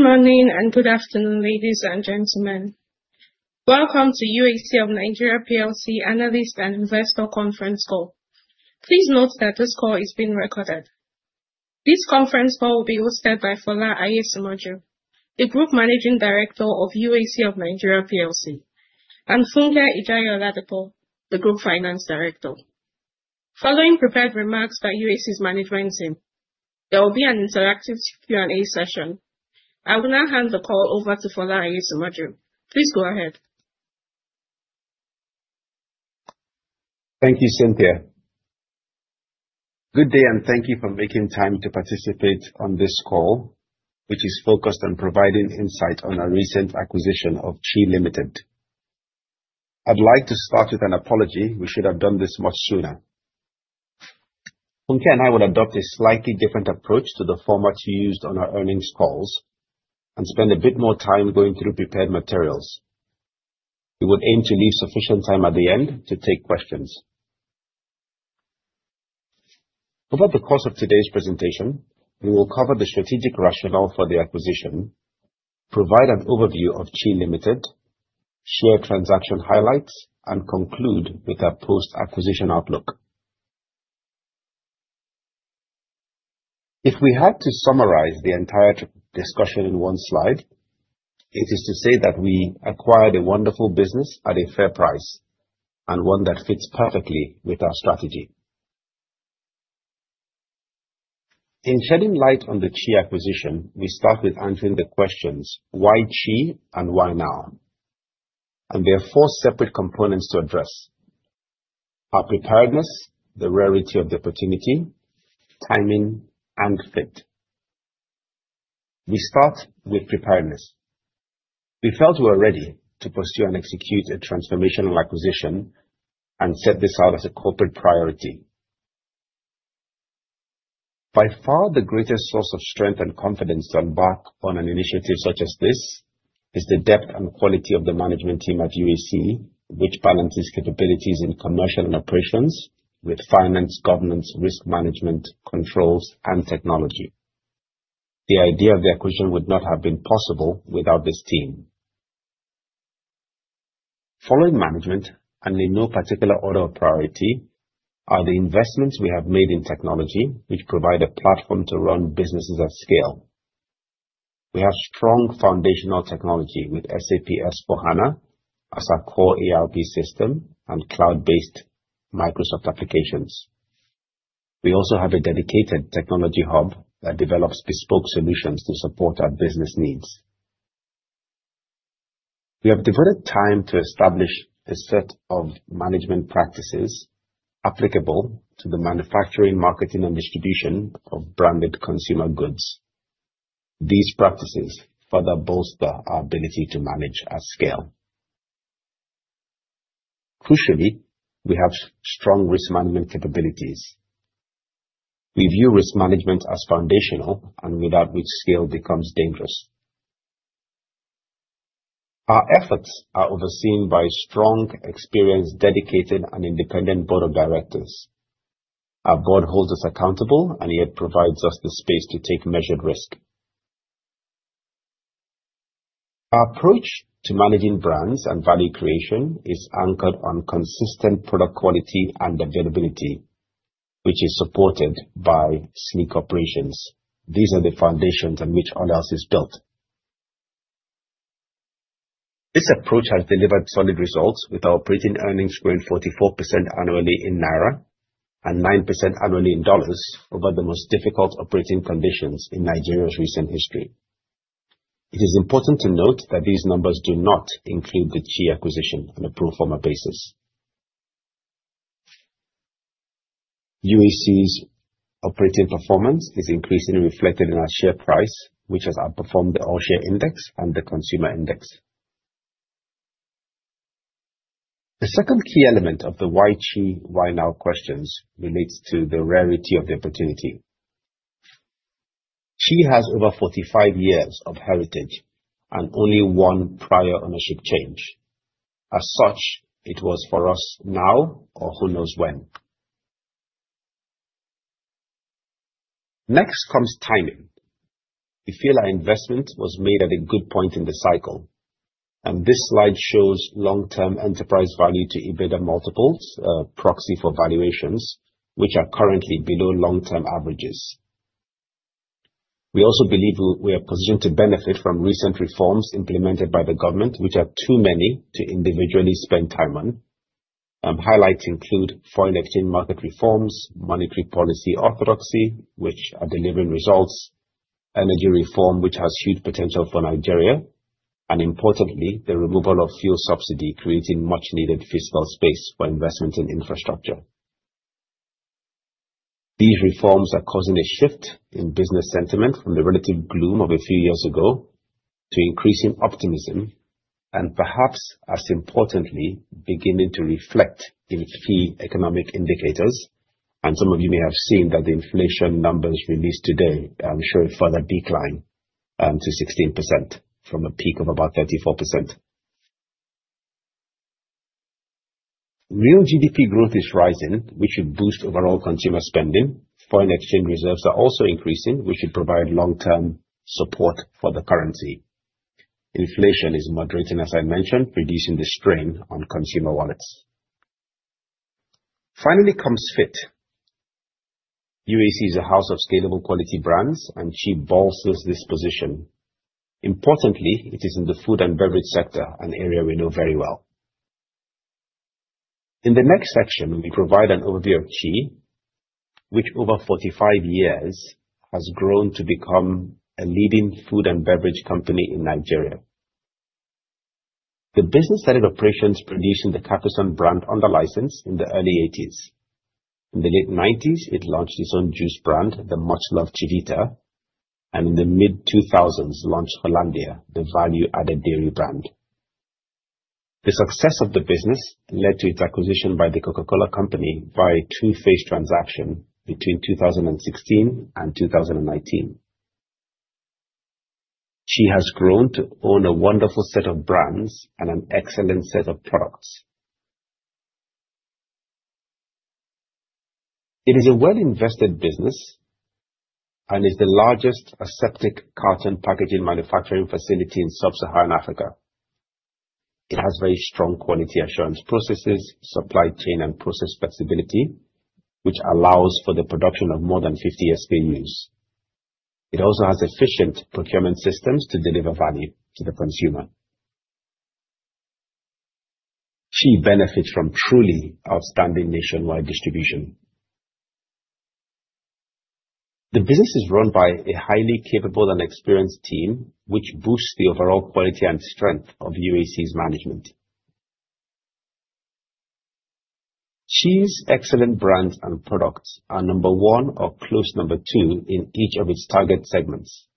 Good morning and good afternoon, ladies and gentlemen. Welcome to UAC of Nigeria PLC Analyst and Investor Conference Call. Please note that this call is being recorded. This conference call will be hosted by Fola Aiyesimoju, the Group Managing Director of UAC of Nigeria PLC, and Funke Ijaiya-Oladipo, the Group Finance Director. Following prepared remarks by UAC's management team, there will be an interactive Q&A session. I will now hand the call over to Fola Aiyesimoju. Please go ahead. Thank you, Cynthia. Good day, and thank you for making time to participate on this call, which is focused on providing insight on our recent acquisition of Chi Limited. I'd like to start with an apology. We should have done this much sooner. Funke and I would adopt a slightly different approach to the format used on our earnings calls and spend a bit more time going through prepared materials. We would aim to leave sufficient time at the end to take questions. Over the course of today's presentation, we will cover the strategic rationale for the acquisition, provide an overview of Chi Limited, share transaction highlights, and conclude with our post-acquisition outlook. If we had to summarize the entire discussion in one slide, it is to say that we acquired a wonderful business at a fair price and one that fits perfectly with our strategy. In shedding light on the Chi acquisition, we start with answering the questions why Chi and why now? There are four separate components to address. Our preparedness, the rarity of the opportunity, timing, and fit. We start with preparedness. We felt we were ready to pursue and execute a transformational acquisition and set this out as a corporate priority. By far, the greatest source of strength and confidence to embark on an initiative such as this is the depth and quality of the management team at UAC, which balances capabilities in commercial and operations with finance, governance, risk management, controls, and technology. The idea of the acquisition would not have been possible without this team. Following management, in no particular order of priority, are the investments we have made in technology which provide a platform to run businesses at scale. We have strong foundational technology with SAP S/4HANA as our core ERP system and cloud-based Microsoft applications. We also have a dedicated technology hub that develops bespoke solutions to support our business needs. We have devoted time to establish a set of management practices applicable to the manufacturing, marketing, and distribution of branded consumer goods. These practices further bolster our ability to manage at scale. Crucially, we have strong risk management capabilities. We view risk management as foundational, and without which scale becomes dangerous. Our efforts are overseen by a strong, experienced, dedicated, and independent board of directors. Our board holds us accountable and yet provides us the space to take measured risk. Our approach to managing brands and value creation is anchored on consistent product quality and availability, which is supported by sleek operations. These are the foundations on which all else is built. This approach has delivered solid results, with our operating earnings growing 44% annually in NGN and 9% annually in USD over the most difficult operating conditions in Nigeria's recent history. It is important to note that these numbers do not include the Chi acquisition on a pro forma basis. UAC's operating performance is increasingly reflected in our share price, which has outperformed the All-Share Index and the NGX Consumer Goods Index. The second key element of the why Chi, why now questions relates to the rarity of the opportunity. Chi has over 45 years of heritage and only one prior ownership change. As such, it was for us now or who knows when. Next comes timing. We feel our investment was made at a good point in the cycle. This slide shows long-term enterprise value to EBITDA multiples, a proxy for valuations which are currently below long-term averages. We also believe we are positioned to benefit from recent reforms implemented by the government, which are too many to individually spend time on. Highlights include foreign exchange market reforms, monetary policy orthodoxy, which are delivering results, energy reform, which has huge potential for Nigeria. Importantly, the removal of fuel subsidy, creating much needed fiscal space for investment in infrastructure. These reforms are causing a shift in business sentiment from the relative gloom of a few years ago to increasing optimism and perhaps, as importantly, beginning to reflect in key economic indicators. Some of you may have seen that the inflation numbers released today show a further decline to 16% from a peak of about 34%. Real GDP growth is rising, which should boost overall consumer spending. Foreign exchange reserves are also increasing, which should provide long-term support for the currency. Inflation is moderating, as I mentioned, reducing the strain on consumer wallets. Finally comes fit. UAC is a house of scalable quality brands. Chi bolsters this position. Importantly, it is in the food and beverage sector, an area we know very well. In the next section, we provide an overview of Chi, which over 45 years has grown to become a leading food and beverage company in Nigeria. The business started operations producing the Capri-Sun brand under license in the early '80s. In the late '90s, it launched its own juice brand, the much-loved Chivita, and in the mid-2000s launched Hollandia, the value-added dairy brand. The success of the business led to its acquisition by The Coca-Cola Company via a two-phase transaction between 2016 and 2019. Chi has grown to own a wonderful set of brands and an excellent set of products. It is a well-invested business. It is the largest aseptic carton packaging manufacturing facility in sub-Saharan Africa. It has very strong quality assurance processes, supply chain, and process flexibility, which allows for the production of more than 50 SKUs. It also has efficient procurement systems to deliver value to the consumer. Chi benefits from truly outstanding nationwide distribution. The business is run by a highly capable and experienced team, which boosts the overall quality and strength of UAC's management. Chi's excellent brands and products are number one or close number two in each of its target segments.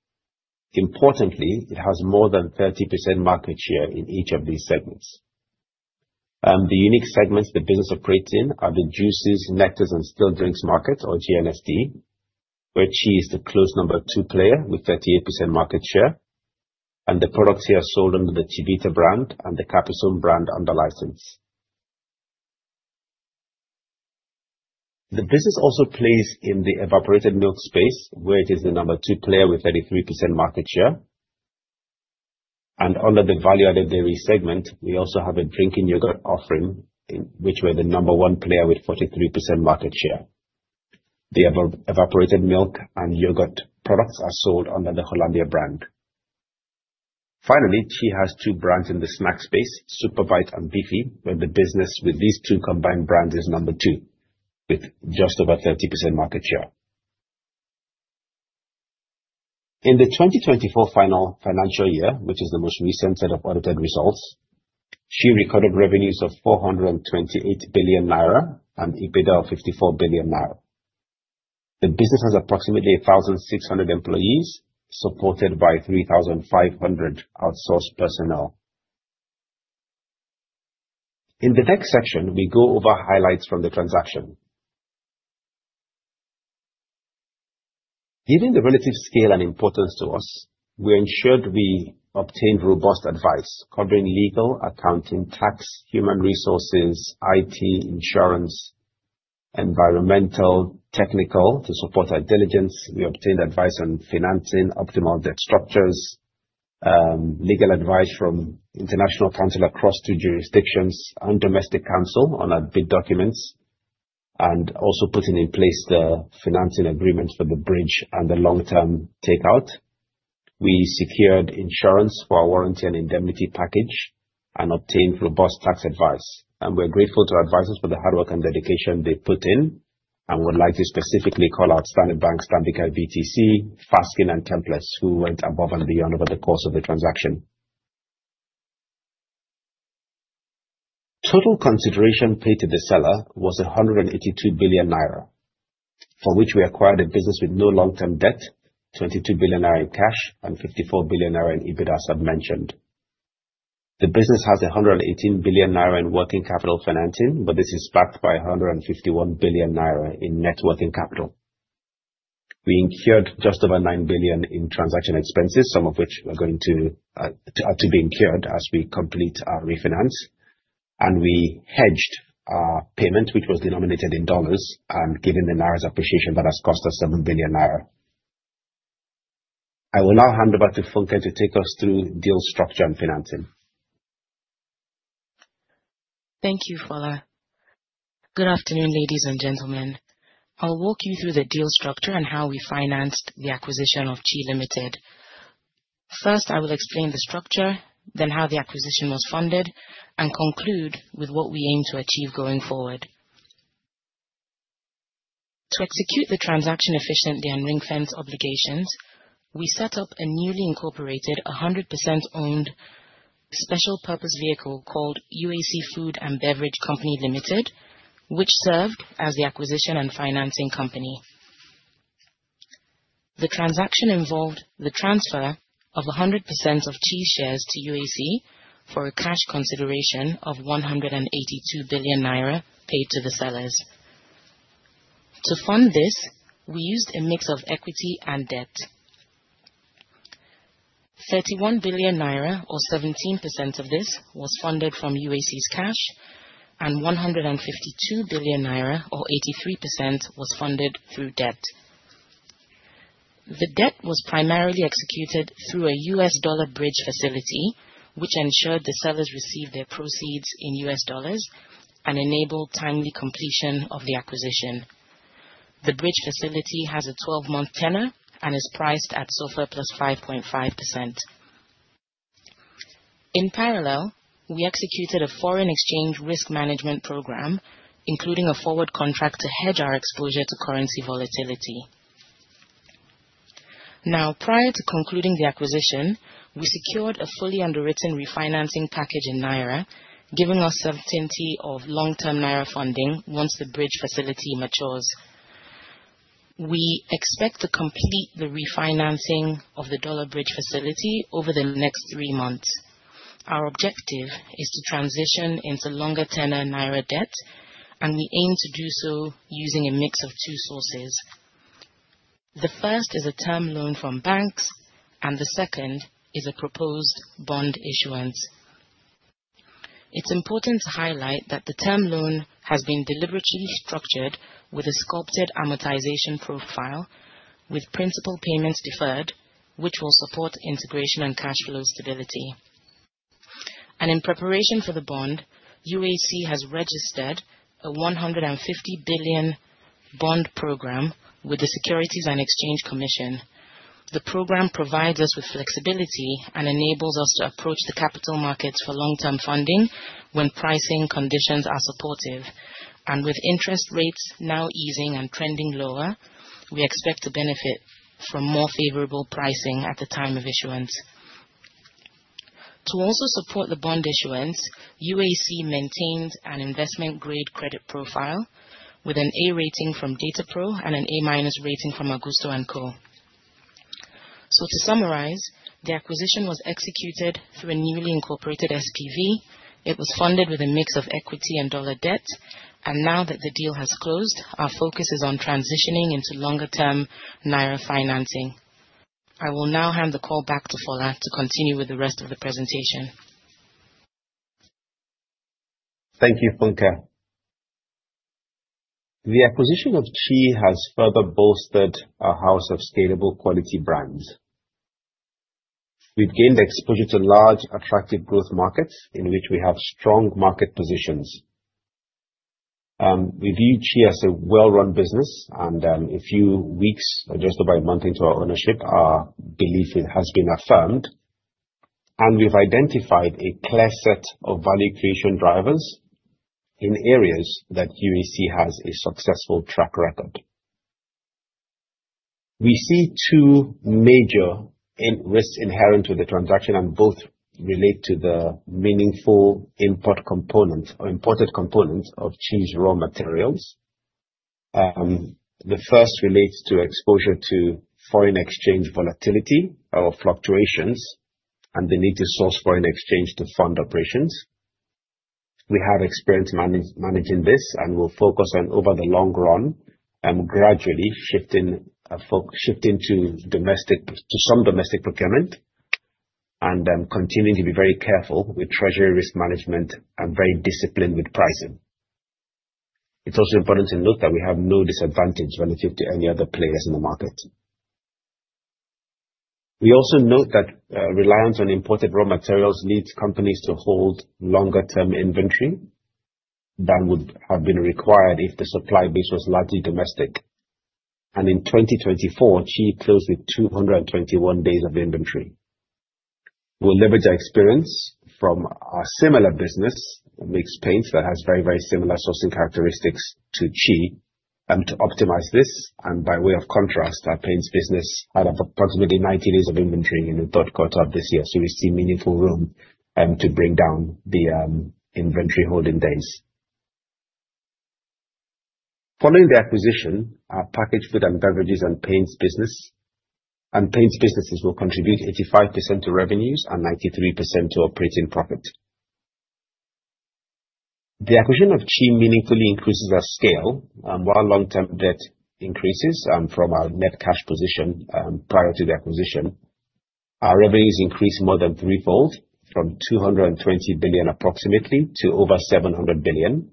Importantly, it has more than 30% market share in each of these segments. The unique segments the business operates in are the juices, nectars, and still drinks market, or JNSD, where Chi is the close number two player with 38% market share, and the products here are sold under the Chivita brand and the Capri-Sun brand under license. The business also plays in the evaporated milk space, where it is the number two player with 33% market share. Under the value-added dairy segment, we also have a drinking yogurt offering, in which we're the number one player with 43% market share. The evaporated milk and yogurt products are sold under the Hollandia brand. Finally, Chi has two brands in the snack space, SuperBite and Beefie, where the business with these two combined brands is number two with just over 30% market share. In the 2024 final financial year, which is the most recent set of audited results, Chi recorded revenues of 428 billion naira and EBITDA of 54 billion naira. The business has approximately 1,600 employees supported by 3,500 outsourced personnel. In the next section, we go over highlights from the transaction. Given the relative scale and importance to us, we ensured we obtained robust advice covering legal, accounting, tax, human resources, IT, insurance, environmental, technical. To support our diligence, we obtained advice on financing, optimal debt structures, legal advice from international counsel across two jurisdictions, and domestic counsel on our bid documents, also putting in place the financing agreement for the bridge and the long-term takeout. We secured insurance for our warranty and indemnity package and obtained robust tax advice. We're grateful to our advisors for the hard work and dedication they put in and would like to specifically call out Standard Bank, WSTC, Fasken, and Templars who went above and beyond over the course of the transaction. Total consideration paid to the seller was 182 billion naira, from which we acquired a business with no long-term debt, 22 billion naira in cash, and 54 billion naira in EBITDA, as I've mentioned. The business has 118 billion naira in working capital financing, but this is backed by 151 billion naira in net working capital. We incurred just over 9 billion in transaction expenses, some of which are to be incurred as we complete our refinance. We hedged our payment, which was denominated in dollars. Given the naira's appreciation, that has cost us 7 billion naira. I will now hand over to Funke to take us through deal structure and financing. Thank you, Fola. Good afternoon, ladies and gentlemen. I'll walk you through the deal structure and how we financed the acquisition of Chi Limited. First, I will explain the structure, then how the acquisition was funded, and conclude with what we aim to achieve going forward. To execute the transaction efficiently and ring-fence obligations, we set up a newly incorporated, 100% owned special purpose vehicle called UAC Food and Beverage Company Limited, which served as the acquisition and financing company. The transaction involved the transfer of 100% of Chi shares to UAC for a cash consideration of 182 billion naira paid to the sellers. To fund this, we used a mix of equity and debt. 31 billion naira, or 17% of this, was funded from UAC's cash, and 152 billion naira, or 83%, was funded through debt. The debt was primarily executed through a U.S. dollar bridge facility, which ensured the sellers received their proceeds in U.S. dollars and enabled timely completion of the acquisition. The bridge facility has a 12-month tenor and is priced at SOFR plus 5.5%. In parallel, we executed a foreign exchange risk management program, including a forward contract to hedge our exposure to currency volatility. Prior to concluding the acquisition, we secured a fully underwritten refinancing package in naira, giving us certainty of long-term naira funding once the bridge facility matures. We expect to complete the refinancing of the U.S. dollar bridge facility over the next three months. Our objective is to transition into longer tenor naira debt, we aim to do so using a mix of two sources. The first is a term loan from banks, and the second is a proposed bond issuance. It's important to highlight that the term loan has been deliberately structured with a sculpted amortization profile with principal payments deferred, which will support integration and cash flow stability. In preparation for the bond, UAC has registered a 150 billion bond program with the Securities and Exchange Commission. The program provides us with flexibility and enables us to approach the capital markets for long-term funding when pricing conditions are supportive. With interest rates now easing and trending lower, we expect to benefit from more favorable pricing at the time of issuance. To also support the bond issuance, UAC maintains an investment-grade credit profile with an A rating from DataPro and an A-minus rating from Agusto & Co. To summarize, the acquisition was executed through a newly incorporated SPV. It was funded with a mix of equity and U.S. dollar debt, and now that the deal has closed, our focus is on transitioning into longer-term naira financing. I will now hand the call back to Fola to continue with the rest of the presentation. Thank you, Funke. The acquisition of Chi has further bolstered our house of scalable quality brands. We've gained exposure to large attractive growth markets in which we have strong market positions. We view Chi as a well-run business, and a few weeks, or just about a month into our ownership, our belief has been affirmed. We've identified a clear set of value creation drivers in areas that UAC has a successful track record. We see two major risks inherent to the transaction, and both relate to the meaningful import component or imported component of Chi's raw materials. The first relates to exposure to foreign exchange volatility or fluctuations, and the need to source foreign exchange to fund operations. We have experience managing this and will focus on, over the long run, gradually shifting to some domestic procurement. Continuing to be very careful with treasury risk management and very disciplined with pricing. It's also important to note that we have no disadvantage relative to any other players in the market. We also note that reliance on imported raw materials leads companies to hold longer-term inventory than would have been required if the supply base was largely domestic. In 2024, Chi closed with 221 days of inventory. We'll leverage our experience from our similar business, which makes paints that has very similar sourcing characteristics to Chi, and to optimize this. By way of contrast, our paints business had approximately 90 days of inventory in the third quarter of this year. We see meaningful room to bring down the inventory holding days. Following the acquisition, our packaged food and beverages and paints businesses will contribute 85% to revenues and 93% to operating profit. The acquisition of Chi meaningfully increases our scale, while long-term debt increases from our net cash position prior to the acquisition. Our revenues increased more than threefold, from 220 billion approximately to over 700 billion,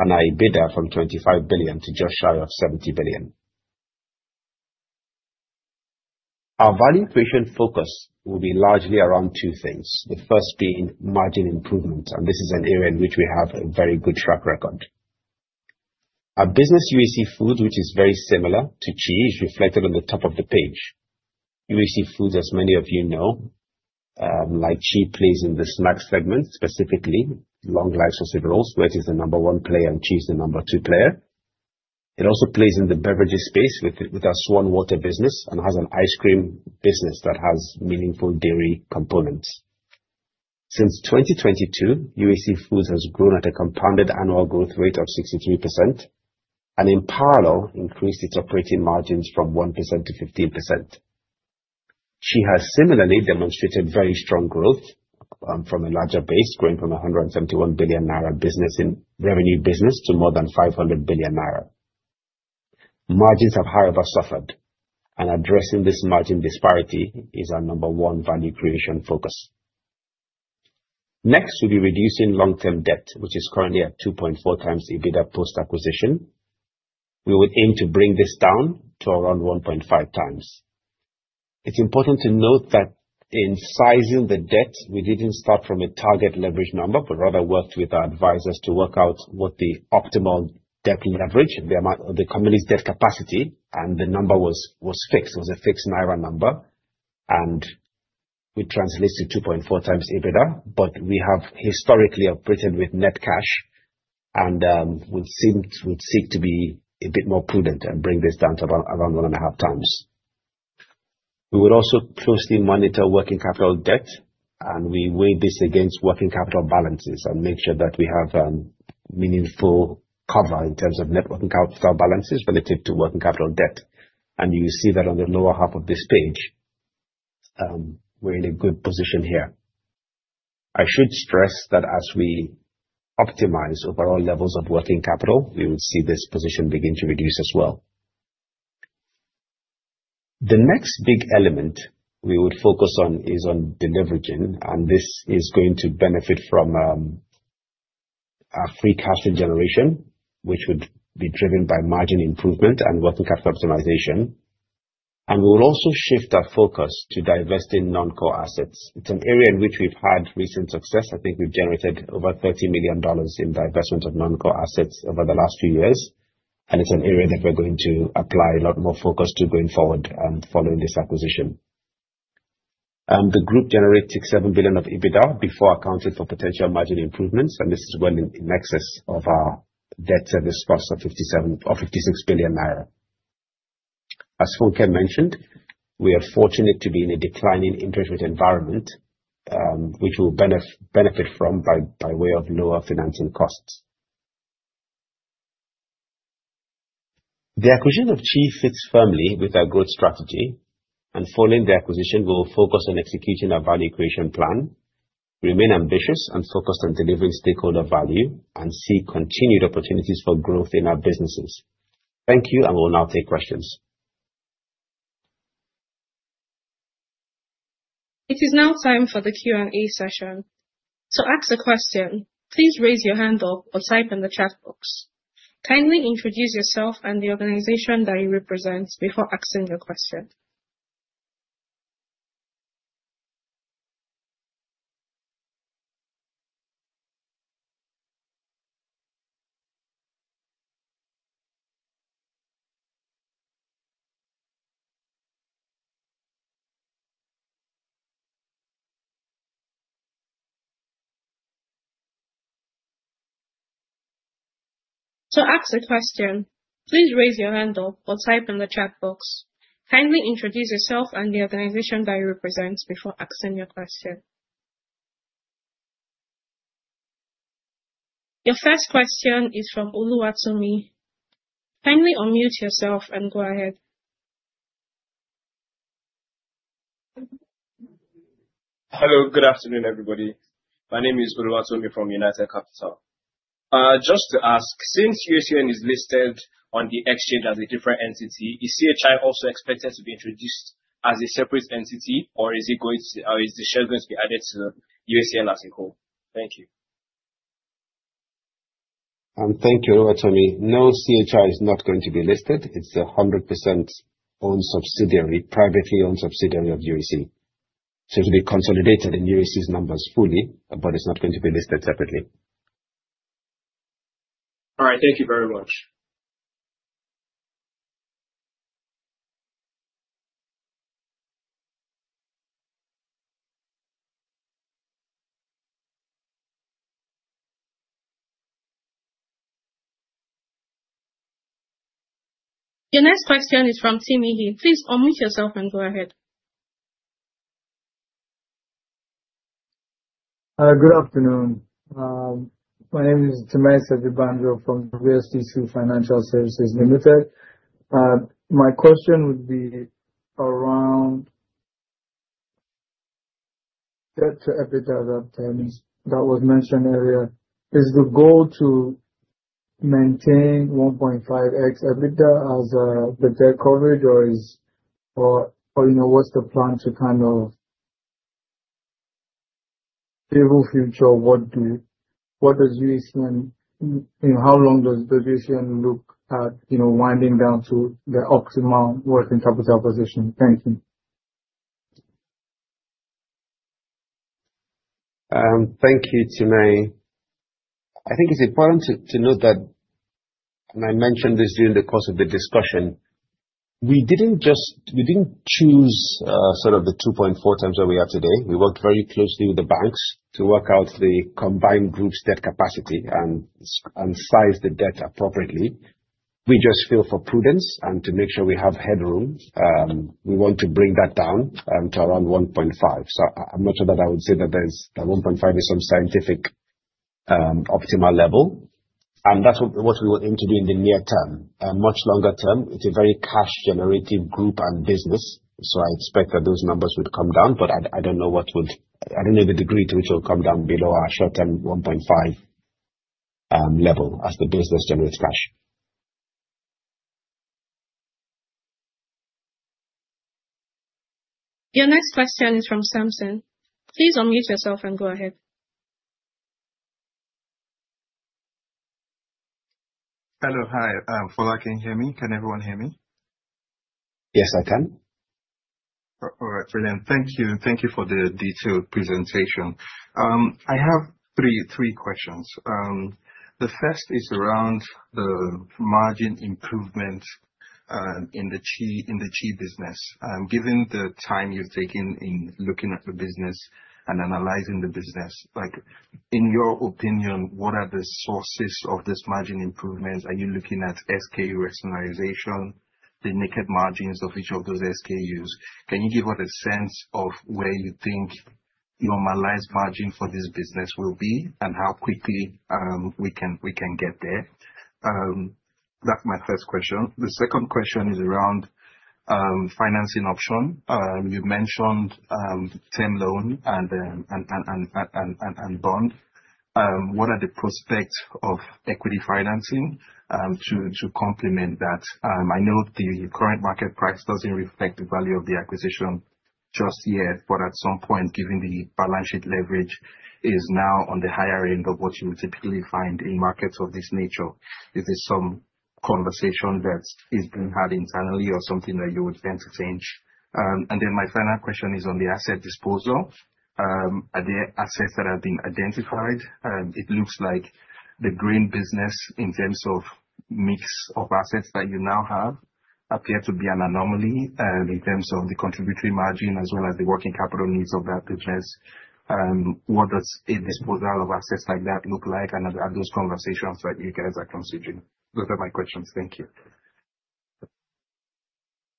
and our EBITDA from 25 billion to just shy of 70 billion. Our value creation focus will be largely around two things, the first being margin improvement, and this is an area in which we have a very good track record. Our business, UAC Foods, which is very similar to Chi, is reflected on the top of the page. UAC Foods, as many of you know, like Chi, plays in the snack segment, specifically long-life groceries, where it is the number 1 player and Chi is the number 2 player. It also plays in the beverages space with our SWAN Water business and has an ice cream business that has meaningful dairy components. Since 2022, UAC Foods has grown at a compounded annual growth rate of 63%, and in parallel, increased its operating margins from 1% to 15%. Chi has similarly demonstrated very strong growth from a larger base, growing from 171 billion naira revenue business to more than 500 billion naira. Margins have however suffered, and addressing this margin disparity is our number 1 value creation focus. Next, we'll be reducing long-term debt, which is currently at 2.4x EBITDA post-acquisition. We would aim to bring this down to around 1.5x. It's important to note that in sizing the debt, we didn't start from a target leverage number, but rather worked with our advisors to work out what the optimal debt leverage, the amount of the company's debt capacity, and the number was fixed. It was a fixed NGN number, and which translates to 2.4x EBITDA. We have historically operated with net cash, and would seek to be a bit more prudent and bring this down to around one and a half times. We would also closely monitor working capital debt, and we weigh this against working capital balances and make sure that we have meaningful cover in terms of net working capital balances related to working capital debt. You see that on the lower half of this page, we're in a good position here. I should stress that as we optimize overall levels of working capital, we would see this position begin to reduce as well. The next big element we would focus on is on deleveraging, and this is going to benefit from our free cash generation, which would be driven by margin improvement and working capital optimization. We will also shift our focus to divesting non-core assets. It's an area in which we've had recent success. I think we've generated over NGN 30 million in divestment of non-core assets over the last few years, and it's an area that we're going to apply a lot more focus to going forward, following this acquisition. The group generates 67 billion of EBITDA before accounting for potential margin improvements, and this is well in excess of our debt service cost of 57 billion or 56 billion naira. As Funke mentioned, we are fortunate to be in a declining interest rate environment, which we'll benefit from by way of lower financing costs. The acquisition of Chi fits firmly with our growth strategy, and following the acquisition, we will focus on executing our value creation plan, remain ambitious and focused on delivering stakeholder value, and seek continued opportunities for growth in our businesses. Thank you, and we'll now take questions. It is now time for the Q&A session. To ask a question, please raise your hand up or type in the chat box. Kindly introduce yourself and the organization that you represent before asking your question. To ask a question, please raise your hand up or type in the chat box. Kindly introduce yourself and the organization that you represent before asking your question. Your first question is from Oluwatomi. Kindly unmute yourself and go ahead. Hello. Good afternoon, everybody. My name is Oluwatomi from United Capital. Just to ask, since UACN is listed on the exchange as a different entity, is Chi also expected to be introduced as a separate entity, or is the share going to be added to the UACN as a whole? Thank you. Thank you, Oluwatomi. No, CHI is not going to be listed. It's 100% privately owned subsidiary of UAC. It'll be consolidated in UAC's numbers fully, but it's not going to be listed separately. All right. Thank you very much. Your next question is from Timi. Please unmute yourself and go ahead. Good afternoon. My name is Timay Segbandio from USD2 Financial Services Limited. My question would be around debt to EBITDA that was mentioned earlier. Is the goal to maintain 1.5x EBITDA as the debt coverage, or what's the plan to kind of the whole future, how long does the vision look at winding down to the optimal working capital position? Thank you. Thank you, Timay. I think it's important to note that, and I mentioned this during the course of the discussion, we didn't choose the 2.4 times that we have today. We worked very closely with the banks to work out the combined group's debt capacity and size the debt appropriately. We just feel for prudence and to make sure we have headroom, we want to bring that down to around 1.5. I'm not sure that I would say that 1.5 is some scientific optimal level. That's what we would aim to do in the near term. Much longer term, it's a very cash-generative group and business. I expect that those numbers would come down, but I don't know the degree to which it'll come down below our short-term 1.5 level as the business generates cash. Your next question is from Samson. Please unmute yourself and go ahead. Hello. Hi. Fola, can you hear me? Can everyone hear me? Yes, I can. All right. Brilliant. Thank you, and thank you for the detailed presentation. I have three questions. The first is around the margin improvement in the Chi business. Given the time you've taken in looking at the business and analyzing the business, in your opinion, what are the sources of this margin improvement? Are you looking at SKU rationalization, the naked margins of each of those SKUs? Can you give us a sense of where you think normalized margin for this business will be and how quickly we can get there? That's my first question. The second question is around financing option. You mentioned term loan and bond. What are the prospects of equity financing to complement that? I know the current market price doesn't reflect the value of the acquisition just yet, but at some point, given the balance sheet leverage is now on the higher end of what you would typically find in markets of this nature. Is this some conversation that is being had internally or something that you would then change? My final question is on the asset disposal. Are there assets that have been identified? It looks like the grain business, in terms of mix of assets that you now have, appear to be an anomaly, in terms of the contributory margin as well as the working capital needs of that business. What does a disposal of assets like that look like? Are those conversations that you guys are considering? Those are my questions. Thank you.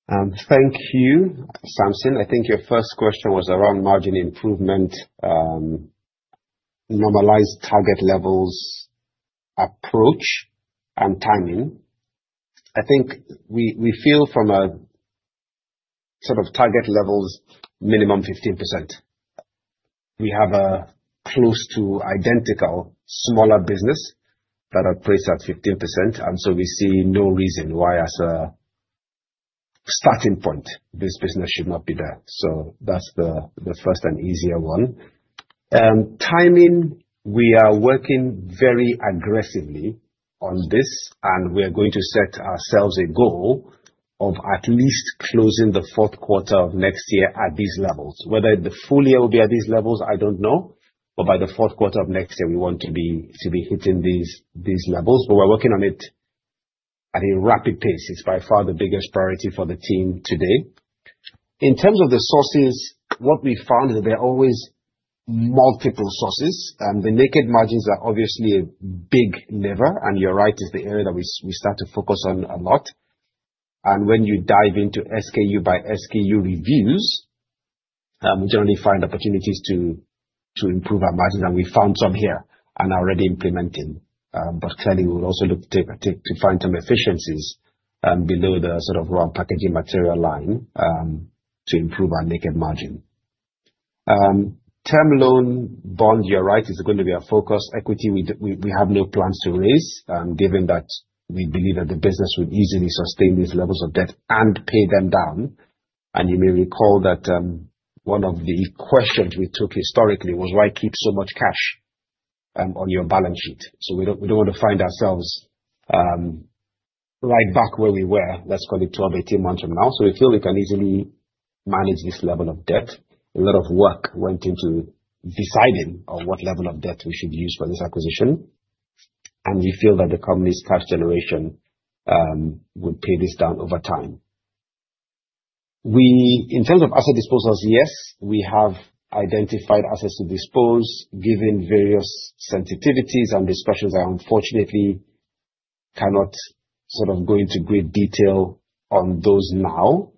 Thank you, Samson. I think your first question was around margin improvement, normalized target levels, approach, and timing. I think we feel from a sort of target levels minimum 15%. We have a close to identical smaller business that are priced at 15%, so we see no reason why as a starting point this business should not be there. That's the first and easier one. Timing, we are working very aggressively on this, we are going to set ourselves a goal of at least closing the fourth quarter of next year at these levels. Whether the full year will be at these levels, I don't know. By the fourth quarter of next year, we want to be hitting these levels. We're working on it at a rapid pace. It's by far the biggest priority for the team today. In terms of the sources, what we found is there are always multiple sources. The naked margins are obviously a big lever, you're right, it's the area that we start to focus on a lot. When you dive into SKU by SKU reviews, we generally find opportunities to improve our margin, we found some here and are already implementing. Clearly, we'll also look to find some efficiencies below the raw packaging material line to improve our naked margin. Term loan bond, you're right, is going to be our focus. Equity, we have no plans to raise, given that we believe that the business would easily sustain these levels of debt and pay them down. You may recall that one of the questions we took historically was why keep so much cash on your balance sheet. We don't want to find ourselves right back where we were, let's call it 12, 18 months from now. We feel we can easily manage this level of debt. A lot of work went into deciding on what level of debt we should use for this acquisition. We feel that the company's cash generation will pay this down over time. In terms of asset disposals, yes, we have identified assets to dispose given various sensitivities and discussions. I unfortunately cannot go into great detail on those now.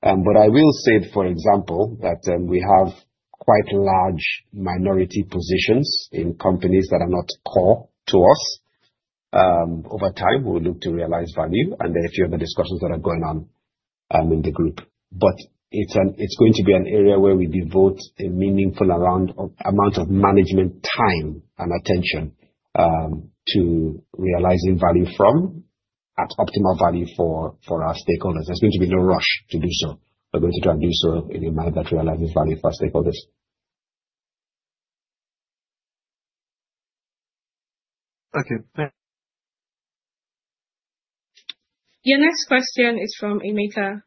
I will say, for example, that we have quite large minority positions in companies that are not core to us. Over time, we'll look to realize value. There are a few other discussions that are going on in the group. It's going to be an area where we devote a meaningful amount of management time and attention to realizing value from at optimal value for our stakeholders. There's going to be no rush to do so. We're going to try and do so in a manner that realizes value for our stakeholders. Okay, thank you. Your next question is from Emeka.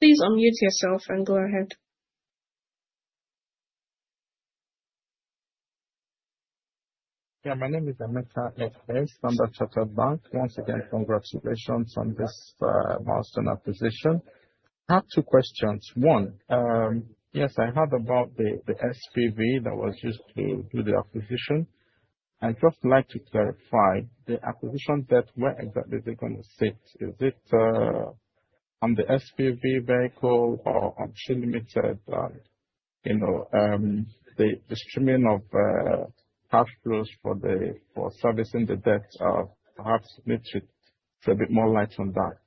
Please unmute yourself and go ahead. My name is Emeka Eke from the Charter Bank. Once again, congratulations on this milestone acquisition. I have two questions. One, yes, I heard about the SPV that was used to do the acquisition. I just like to clarify the acquisition debt, where exactly they are going to sit. Is it on the SPV vehicle or on Chi Limited? The streaming of cash flows for servicing the debts of Chi Limited. Shed a bit more light on that.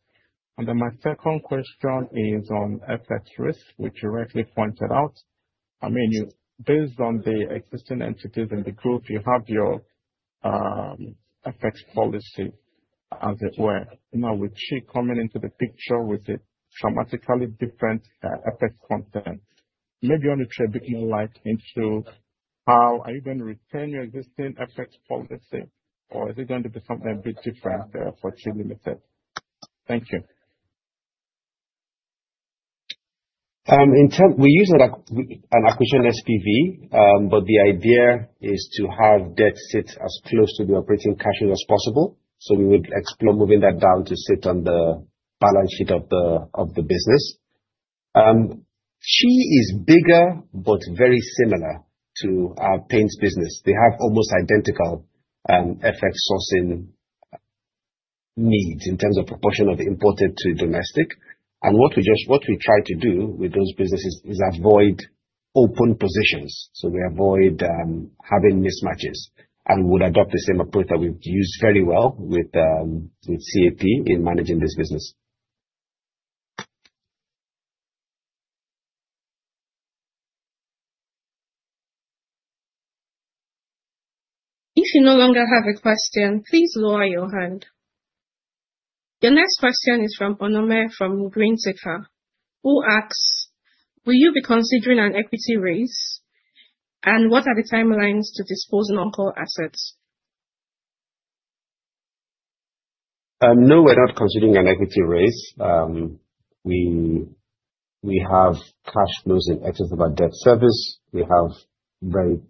My second question is on FX risk, which you rightly pointed out. Based on the existing entities in the group, you have your FX policy, as it were. With Chi coming into the picture with a dramatically different FX content, maybe you want to shed a bit more light into how are you going to retain your existing FX policy, or is it going to be something a bit different for Chi Limited? Thank you. We use an acquisition SPV, but the idea is to have debt sit as close to the operating cash as possible. We would explore moving that down to sit on the balance sheet of the business. Chi is bigger but very similar to our Paints business. They have almost identical FX sourcing needs in terms of proportion of imported to domestic. What we try to do with those businesses is avoid open positions. We avoid having mismatches and would adopt the same approach that we have used very well with CAP in managing this business. If you no longer have a question, please lower your hand. Your next question is from Onome, from Greenticker, who asks, "Will you be considering an equity raise, what are the timelines to dispose non-core assets? No, we're not considering an equity raise. We have cash flows in excess of our debt service. We have very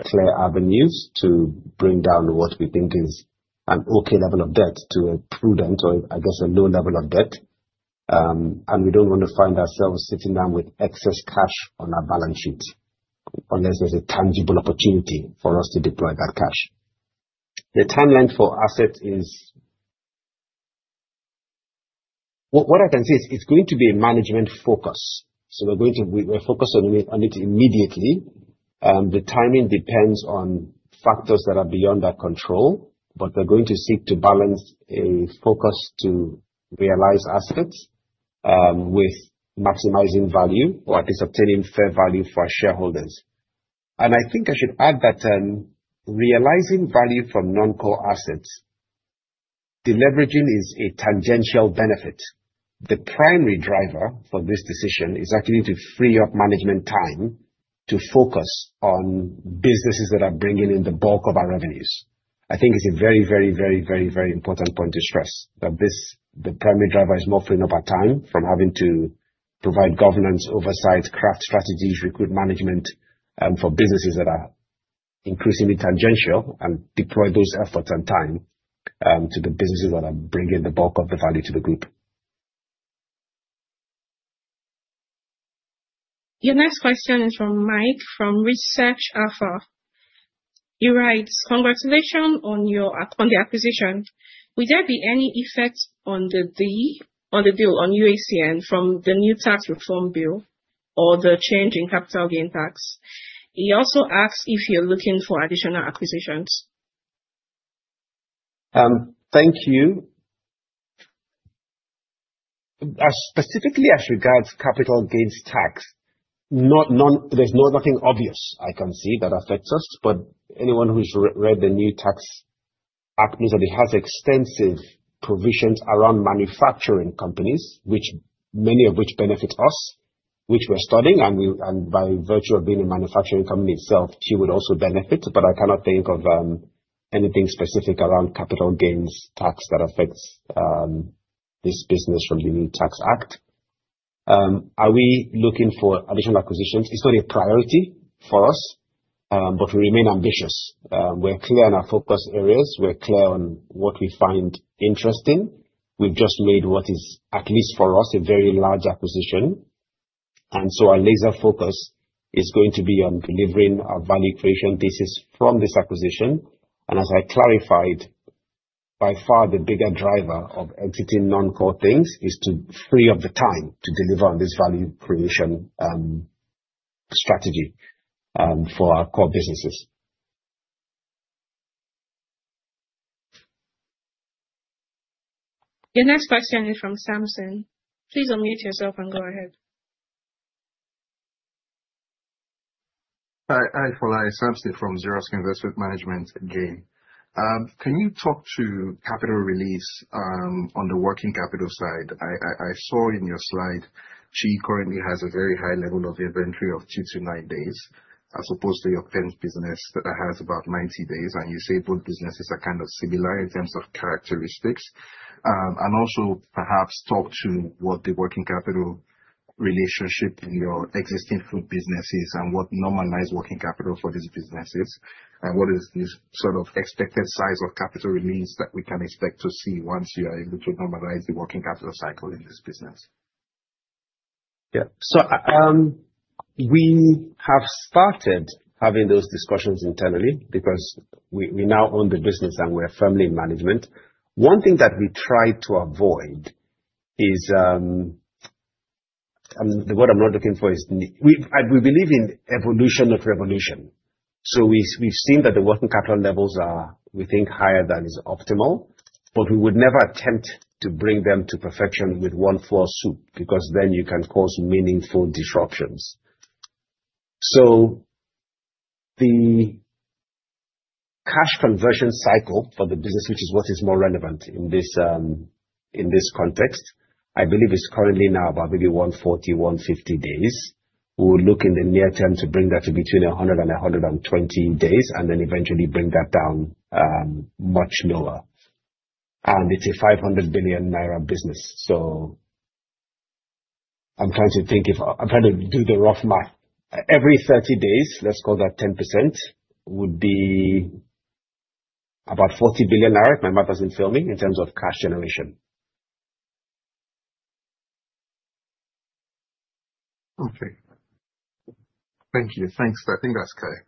clear avenues to bring down what we think is an okay level of debt to a prudent, or I guess, a low level of debt. We don't want to find ourselves sitting down with excess cash on our balance sheet, unless there's a tangible opportunity for us to deploy that cash. What I can say is it's going to be a management focus, so we're focused on it immediately. The timing depends on factors that are beyond our control, but we're going to seek to balance a focus to realize assets, with maximizing value or at least obtaining fair value for our shareholders. I think I should add that realizing value from non-core assets, deleveraging is a tangential benefit. The primary driver for this decision is actually to free up management time to focus on businesses that are bringing in the bulk of our revenues. I think it's a very important point to stress, that the primary driver is more freeing up our time from having to provide governance, oversight, craft strategies, recruit management, for businesses that are increasingly tangential and deploy those efforts and time, to the businesses that are bringing the bulk of the value to the group. Your next question is from Mike from Research Alpha. He writes, "Congratulations on the acquisition. Will there be any effect on UACN from the new tax reform bill or the change in capital gains tax?" He also asks if you're looking for additional acquisitions. Thank you. Specifically as regards capital gains tax, there's nothing obvious I can see that affects us. Anyone who's read the new tax act knows that it has extensive provisions around manufacturing companies, many of which benefit us, which we're studying, and by virtue of being a manufacturing company itself, Chi would also benefit. I cannot think of anything specific around capital gains tax that affects this business from the new tax act. Are we looking for additional acquisitions? It's not a priority for us, but we remain ambitious. We're clear on our focus areas. We're clear on what we find interesting. We've just made what is, at least for us, a very large acquisition. Our laser focus is going to be on delivering our value creation thesis from this acquisition. As I clarified, by far the bigger driver of exiting non-core things is to free up the time to deliver on this value creation, strategy, for our core businesses. Your next question is from Samson. Please unmute yourself and go ahead. Hi, Fola. Samson from Zerust Investment Management again. Can you talk to capital release, on the working capital side? I saw in your slide Chi currently has a very high level of inventory of 2 to 9 days as opposed to your Paints business that has about 90 days, and you say both businesses are kind of similar in terms of characteristics. Also perhaps talk to what the working capital relationship in your existing food business is and what normalized working capital for this business is. What is the sort of expected size of capital release that we can expect to see once you are able to normalize the working capital cycle in this business? Yeah. We have started having those discussions internally because we now own the business and we're firmly in management. One thing that we try to avoid is, the word I'm now looking for is, we believe in evolution not revolution. We've seen that the working capital levels are, we think, higher than is optimal, but we would never attempt to bring them to perfection with one fell swoop, because then you can cause meaningful disruptions. The cash conversion cycle for the business, which is what is more relevant in this context, I believe is currently now about maybe 140, 150 days. We would look in the near term to bring that to between 100 and 120 days, then eventually bring that down much lower. It's a 500 billion naira business, so I'm trying to do the rough math. Every 30 days, let's call that 10%, would be about 40 billion naira, if my math doesn't fail me, in terms of cash generation. Okay. Thank you. Thanks. I think that's clear.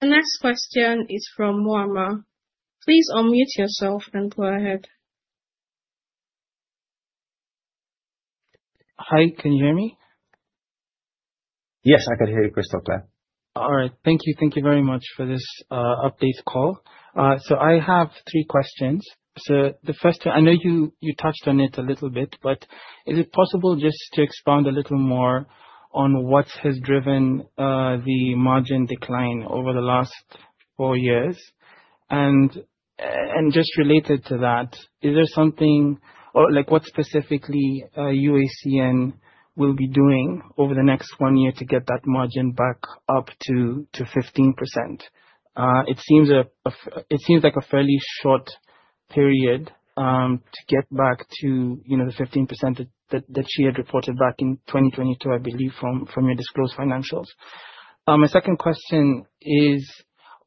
The next question is from Muamar. Please unmute yourself and go ahead. Hi. Can you hear me? Yes, I can hear you crystal clear. All right. Thank you. Thank you very much for this update call. I have three questions. The first one, I know you touched on it a little bit, but is it possible just to expand a little more on what has driven the margin decline over the last four years? Just related to that, what specifically UACN will be doing over the next one year to get that margin back up to 15%? It seems like a fairly short period, to get back to the 15% that Chi had reported back in 2022, I believe, from your disclosed financials. My second question is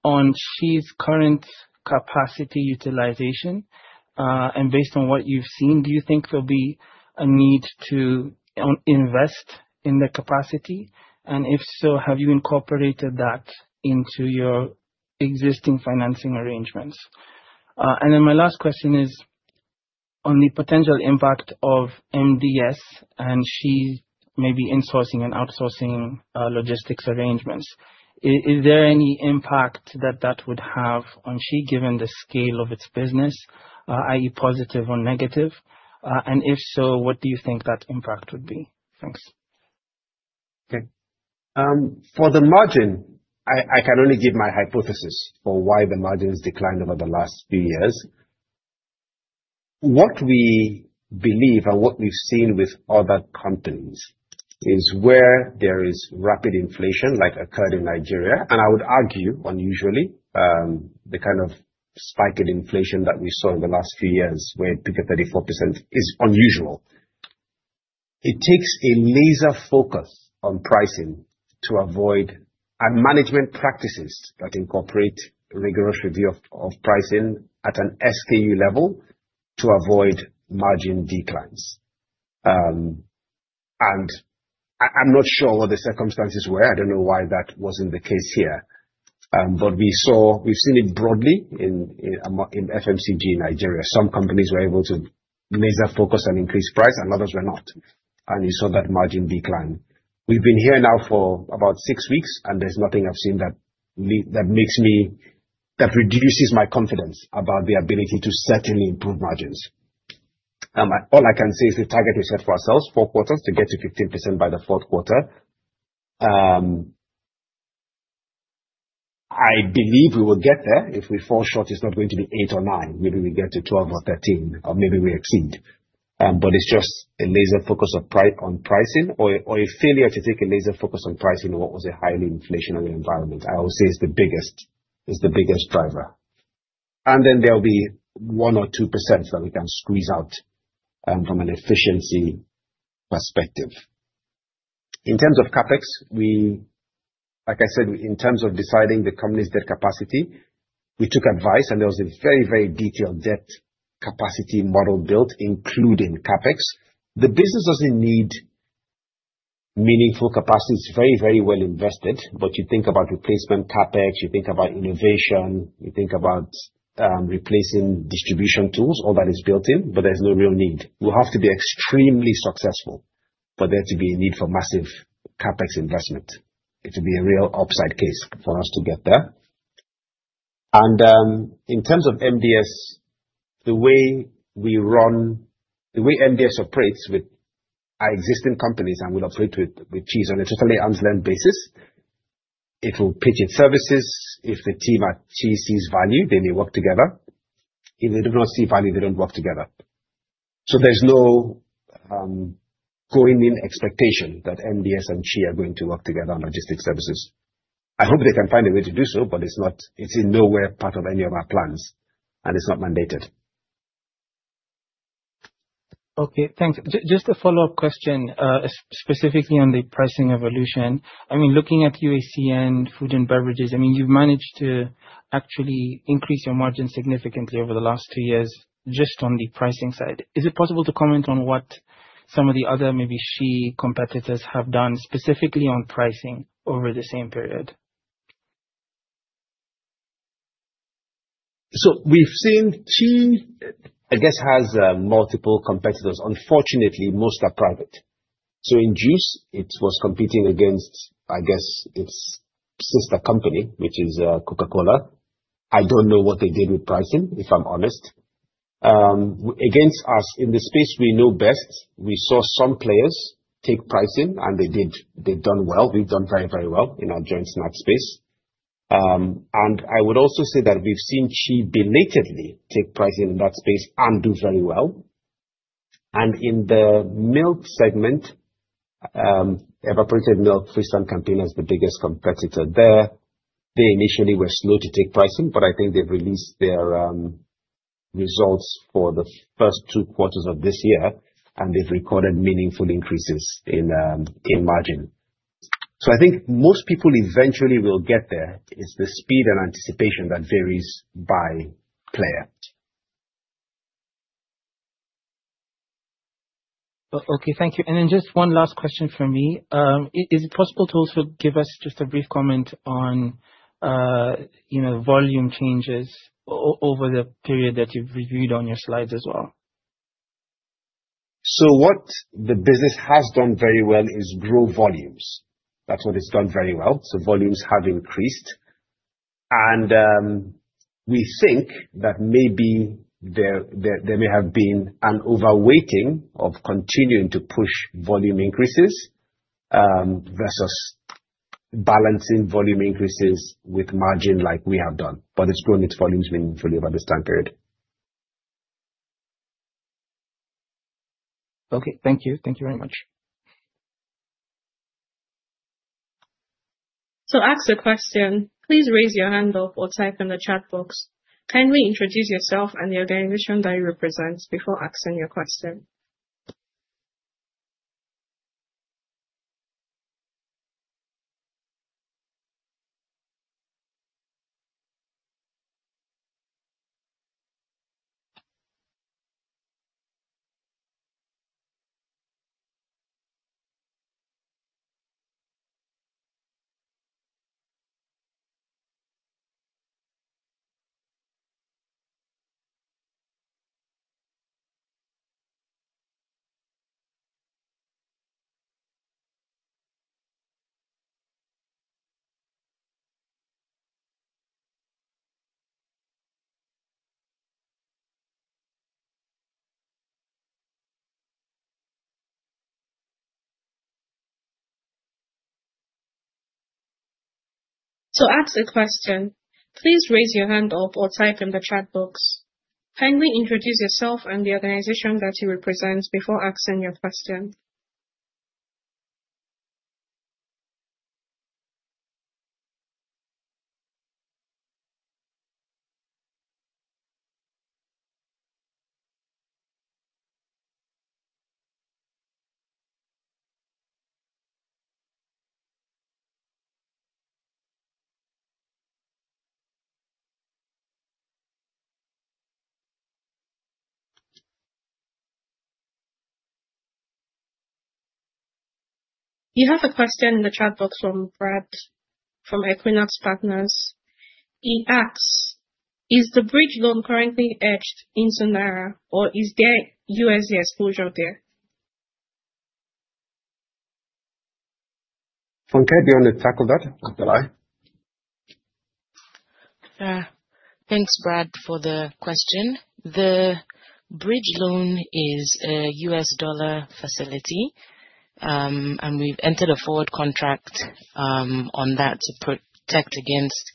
on Chi's current capacity utilization. Based on what you've seen, do you think there'll be a need to invest in the capacity? If so, have you incorporated that into your existing financing arrangements? My last question is on the potential impact of MDS and Chi maybe insourcing and outsourcing logistics arrangements. Is there any impact that that would have on Chi given the scale of its business, i.e., positive or negative? If so, what do you think that impact would be? Thanks. Okay. For the margin, I can only give my hypothesis for why the margin has declined over the last few years. What we believe and what we've seen with other companies is where there is rapid inflation like occurred in Nigeria, and I would argue, unusually, the kind of spike in inflation that we saw in the last few years where it peaked at 34% is unusual. It takes a laser focus on pricing and management practices that incorporate rigorous review of pricing at an SKU level to avoid margin declines. I'm not sure what the circumstances were. I don't know why that wasn't the case here. We've seen it broadly in FMCG in Nigeria. Some companies were able to laser focus and increase price and others were not. You saw that margin decline. We've been here now for about six weeks, and there's nothing I've seen that reduces my confidence about the ability to certainly improve margins. All I can say is the target we set for ourselves, four quarters, to get to 15% by the fourth quarter. I believe we will get there. If we fall short, it's not going to be eight or nine. Maybe we get to 12 or 13, or maybe we exceed. It's just a laser focus on pricing or a failure to take a laser focus on pricing in what was a highly inflationary environment, I would say is the biggest driver. There'll be 1% or 2% that we can squeeze out, from an efficiency perspective. In terms of CapEx, like I said, in terms of deciding the company's debt capacity, we took advice and there was a very detailed debt capacity model built, including CapEx. The business doesn't need meaningful capacity. It's very well invested. You think about replacement CapEx, you think about innovation, you think about replacing distribution tools. All that is built in, but there's no real need. We'll have to be extremely successful for there to be a need for massive CapEx investment. It will be a real upside case for us to get there. In terms of MDS, the way MDS operates with our existing companies, and will operate with Chi is on a totally arms-length basis. It will pitch its services. If the team at Chi sees value, they may work together. If they do not see value, they don't work together. There's no going in expectation that MDS and Chi are going to work together on logistics services. I hope they can find a way to do so, but it's in nowhere part of any of our plans, and it's not mandated. Okay, thanks. Just a follow-up question, specifically on the pricing evolution. Looking at UACN food and beverages, you've managed to actually increase your margin significantly over the last two years just on the pricing side. Is it possible to comment on what some of the other, maybe Chi competitors have done specifically on pricing over the same period? We've seen Chi has multiple competitors. Unfortunately, most are private. In juice, it was competing against its sister company, which is Coca-Cola. I don't know what they did with pricing, if I'm honest. Against us, in the space we know best, we saw some players take pricing and they've done well. We've done very well in our joint snack space. I would also say that we've seen Chi belatedly take pricing in that space and do very well. In the milk segment, evaporated milk, FrieslandCampina is the biggest competitor there. They initially were slow to take pricing, but I think they've released their results for the first two quarters of this year, and they've recorded meaningful increases in margin. I think most people eventually will get there. It's the speed and anticipation that varies by player. Okay. Thank you. Just one last question from me. Is it possible to also give us just a brief comment on volume changes over the period that you've reviewed on your slides as well? What the business has done very well is grow volumes. That's what it's done very well. Volumes have increased. We think that maybe there may have been an overweighting of continuing to push volume increases, versus balancing volume increases with margin like we have done. It's grown its volumes meaningfully over the standard. Okay. Thank you. Thank you very much. To ask a question, please raise your hand up or type in the chat box. Kindly introduce yourself and the organization that you represent before asking your question. To ask a question, please raise your hand up or type in the chat box. Kindly introduce yourself and the organization that you represent before asking your question. You have a question in the chat box from Brad from Equinox Partners. He asks, "Is the bridge loan currently hedged in naira or is there USD exposure there? Funke, do you want to tackle that? Shall I? Thanks, Brad, for the question. The bridge loan is a U.S. dollar facility. We've entered a forward contract on that to protect against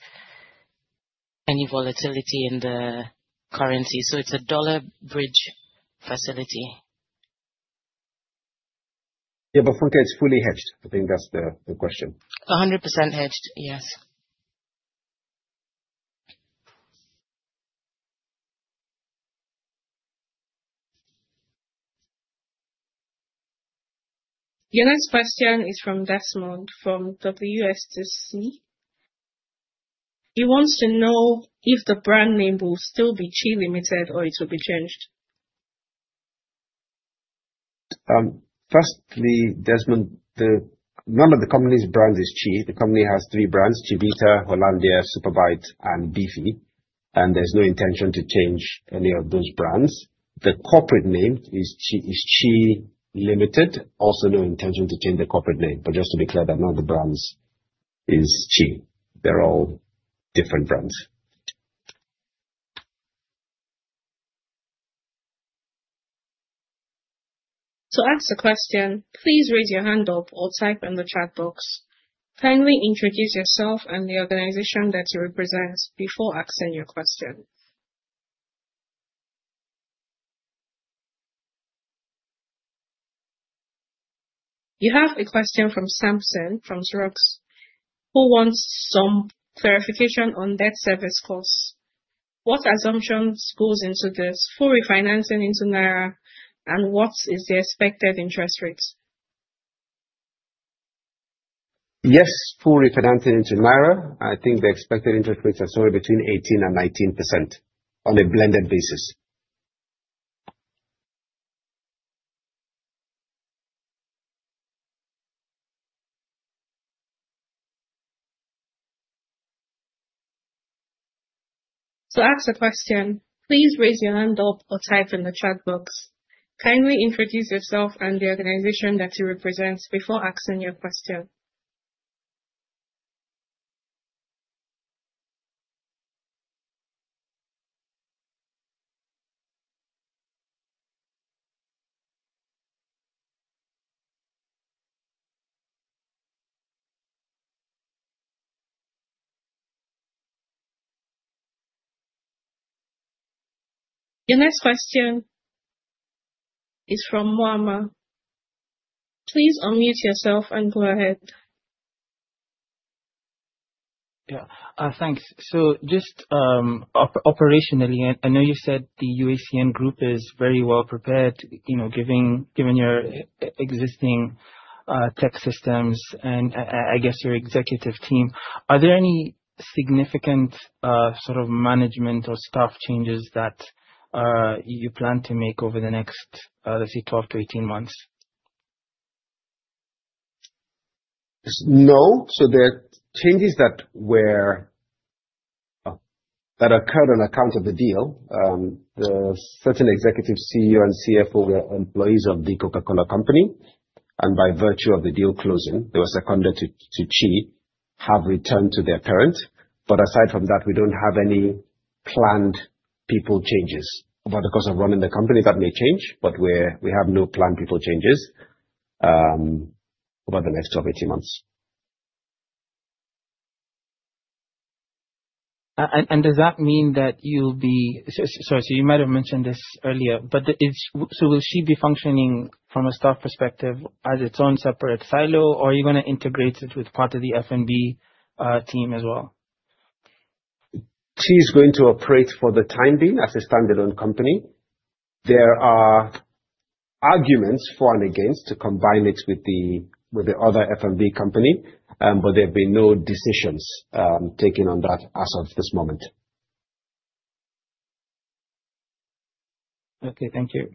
any volatility in the currency. It's a dollar bridge facility. Funke, it's fully hedged. I think that's the question. 100% hedged. Yes. The next question is from Desmond from WSTC. He wants to know if the brand name will still be Chi Limited or it will be changed. Firstly, Desmond, none of the company's brands is Chi. The company has three brands, Chivita, Hollandia, SuperBite, and Beati. There's no intention to change any of those brands. The corporate name is Chi Limited. Also, no intention to change the corporate name. Just to be clear that none of the brands is Chi. They're all different brands. To ask a question, please raise your hand up or type in the chat box. Kindly introduce yourself and the organization that you represent before asking your question. You have a question from Samson from Zerust, who wants some clarification on debt service costs. What assumptions goes into this full refinancing in NGN, and what is the expected interest rates? Yes, full refinancing into naira. I think the expected interest rates are somewhere between 18% and 19% on a blended basis. To ask a question, please raise your hand up or type in the chat box. Kindly introduce yourself and the organization that you represent before asking your question. The next question is from Muamar. Please unmute yourself and go ahead. Yeah. Thanks. Just operationally, I know you said the UACN group is very well prepared, given your existing tech systems and I guess your executive team. Are there any significant sort of management or staff changes that you plan to make over the next, let's say, 12 to 18 months? No. There are changes that occurred on account of the deal. Certain executives, CEO and CFO, were employees of The Coca-Cola Company, and by virtue of the deal closing, they were seconded to Chi, have returned to their parent. Aside from that, we don't have any planned people changes. Over the course of running the company, that may change, but we have no planned people changes over the next 12, 18 months. Does that mean that you might have mentioned this earlier. Will Chi be functioning from a staff perspective as its own separate silo, or are you going to integrate it with part of the F&B team as well? Chi is going to operate for the time being as a standalone company. There are arguments for and against to combine it with the other F&B company, there have been no decisions taken on that as of this moment. Okay. Thank you.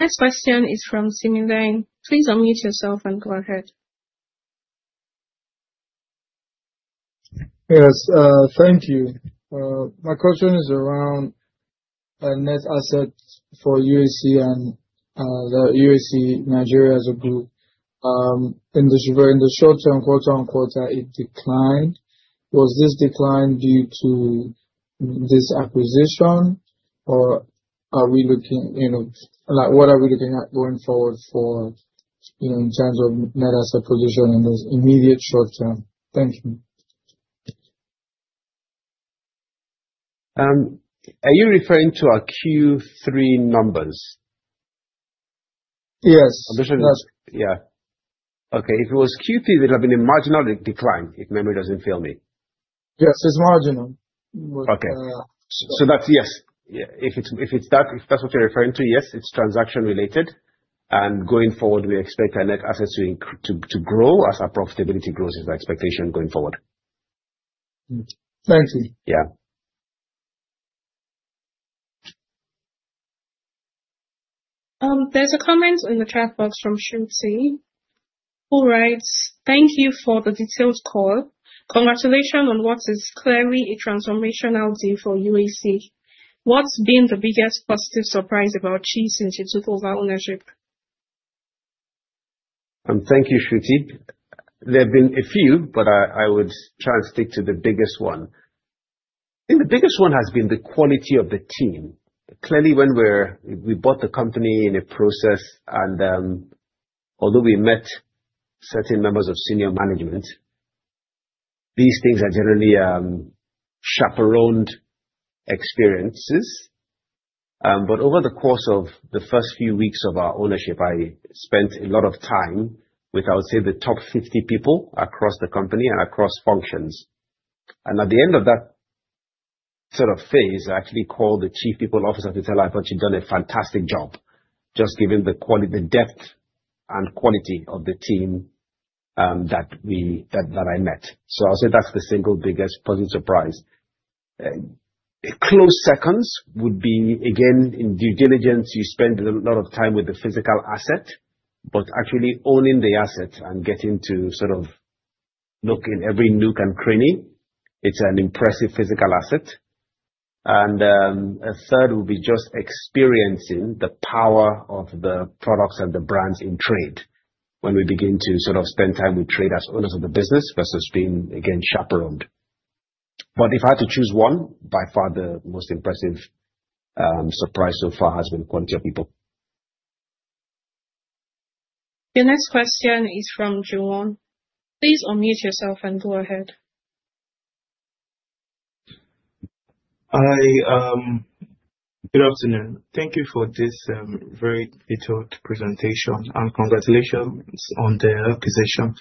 Next question is from Similayan. Please unmute yourself and go ahead. Yes. Thank you. My question is around net assets for UAC and the UAC Nigeria as a group. In the short term, quote-unquote, it declined. Was this decline due to this acquisition or what are we looking at going forward for in terms of net asset position in this immediate short term? Thank you. Are you referring to our Q3 numbers? Yes. Yeah. Okay. If it was Q3, there'd have been a marginal decline, if memory doesn't fail me. Yes, it's marginal. Okay. That's yes. If that's what you're referring to, yes, it's transaction related. Going forward, we expect our net assets to grow as our profitability grows is our expectation going forward. Thank you. Yeah. There's a comment in the chat box from Shruti who writes: "Thank you for the detailed call. Congratulations on what is clearly a transformational deal for UAC. What's been the biggest positive surprise about Chi since you took over ownership? Thank you, Shruti. There have been a few, I would try and stick to the biggest one. I think the biggest one has been the quality of the team. Clearly when we bought the company in a process although we met certain members of senior management, these things are generally chaperoned experiences. Over the course of the first few weeks of our ownership, I spent a lot of time with, I would say, the top 50 people across the company and across functions. At the end of that sort of phase, I actually called the chief people officer to tell her, "I thought you'd done a fantastic job," just given the depth and quality of the team that I met. I'll say that's the single biggest positive surprise. A close second would be, again, in due diligence, you spend a lot of time with the physical asset, but actually owning the asset and getting to sort of look in every nook and cranny. It's an impressive physical asset. A third would be just experiencing the power of the products and the brands in trade. When we begin to sort of spend time with traders, owners of the business versus being, again, chaperoned. If I had to choose one, by far the most impressive surprise so far has been the quality of people. The next question is from Juwon. Please unmute yourself and go ahead. Good afternoon. Thank you for this very detailed presentation, congratulations on the acquisition.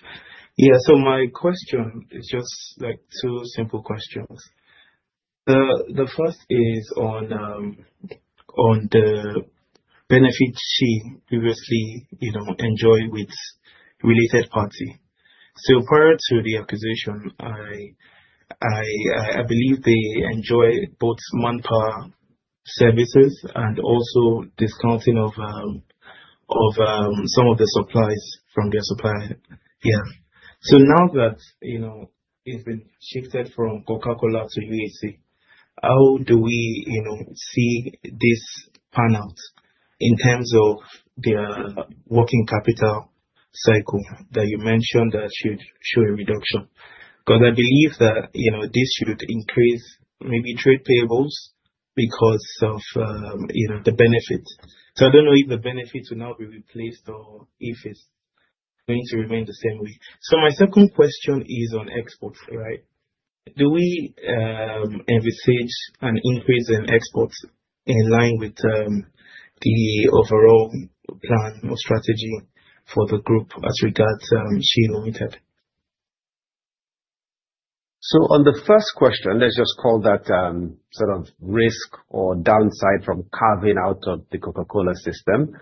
My question is just two simple questions. The first is on the benefits Chi previously enjoyed with related party. Prior to the acquisition, I believe they enjoy both manpower services and also discounting of some of the supplies from their supplier here. Now that it's been shifted from Coca-Cola to UAC, how do we see this pan out in terms of their working capital cycle that you mentioned that should show a reduction? Because I believe that this should increase maybe trade payables because of the benefits. I don't know if the benefits will now be replaced or if it's going to remain the same way. My second question is on exports, right? Do we envisage an increase in exports in line with the overall plan or strategy for the group as regards Chi Limited? On the first question, let's just call that sort of risk or downside from carving out of the Coca-Cola system.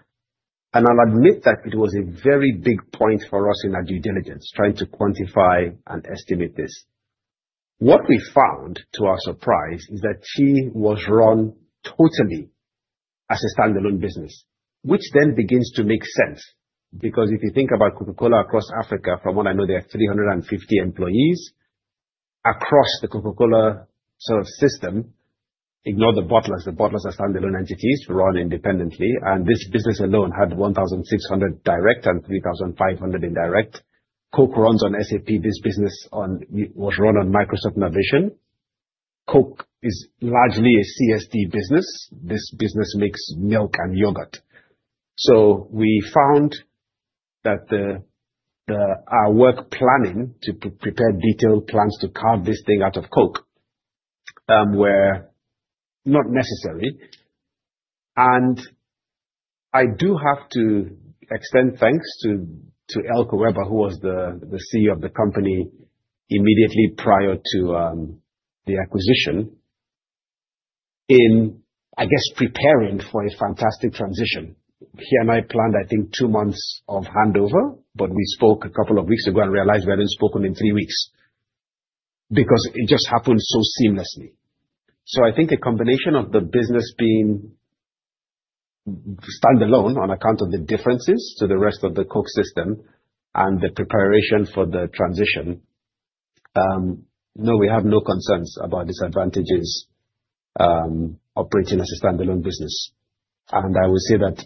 I'll admit that it was a very big point for us in our due diligence, trying to quantify and estimate this. What we found, to our surprise, is that Chi was run totally as a standalone business, which then begins to make sense. If you think about Coca-Cola across Africa, from what I know, they have 350 employees across the Coca-Cola sort of system. Ignore the bottlers. The bottlers are standalone entities run independently, and this business alone had 1,600 direct and 3,500 indirect. Coke runs on SAP. This business was run on Microsoft Navision. Coke is largely a CSD business. This business makes milk and yogurt. We found that our work planning to prepare detailed plans to carve this thing out of Coke were not necessary. I do have to extend thanks to Elko Weber, who was the CEO of the company immediately prior to the acquisition, in, I guess, preparing for a fantastic transition. He and I planned, I think, two months of handover, but we spoke a couple of weeks ago and realized we hadn't spoken in three weeks because it just happened so seamlessly. I think a combination of the business being standalone on account of the differences to the rest of the Coke system and the preparation for the transition. No, we have no concerns about disadvantages operating as a standalone business. I would say that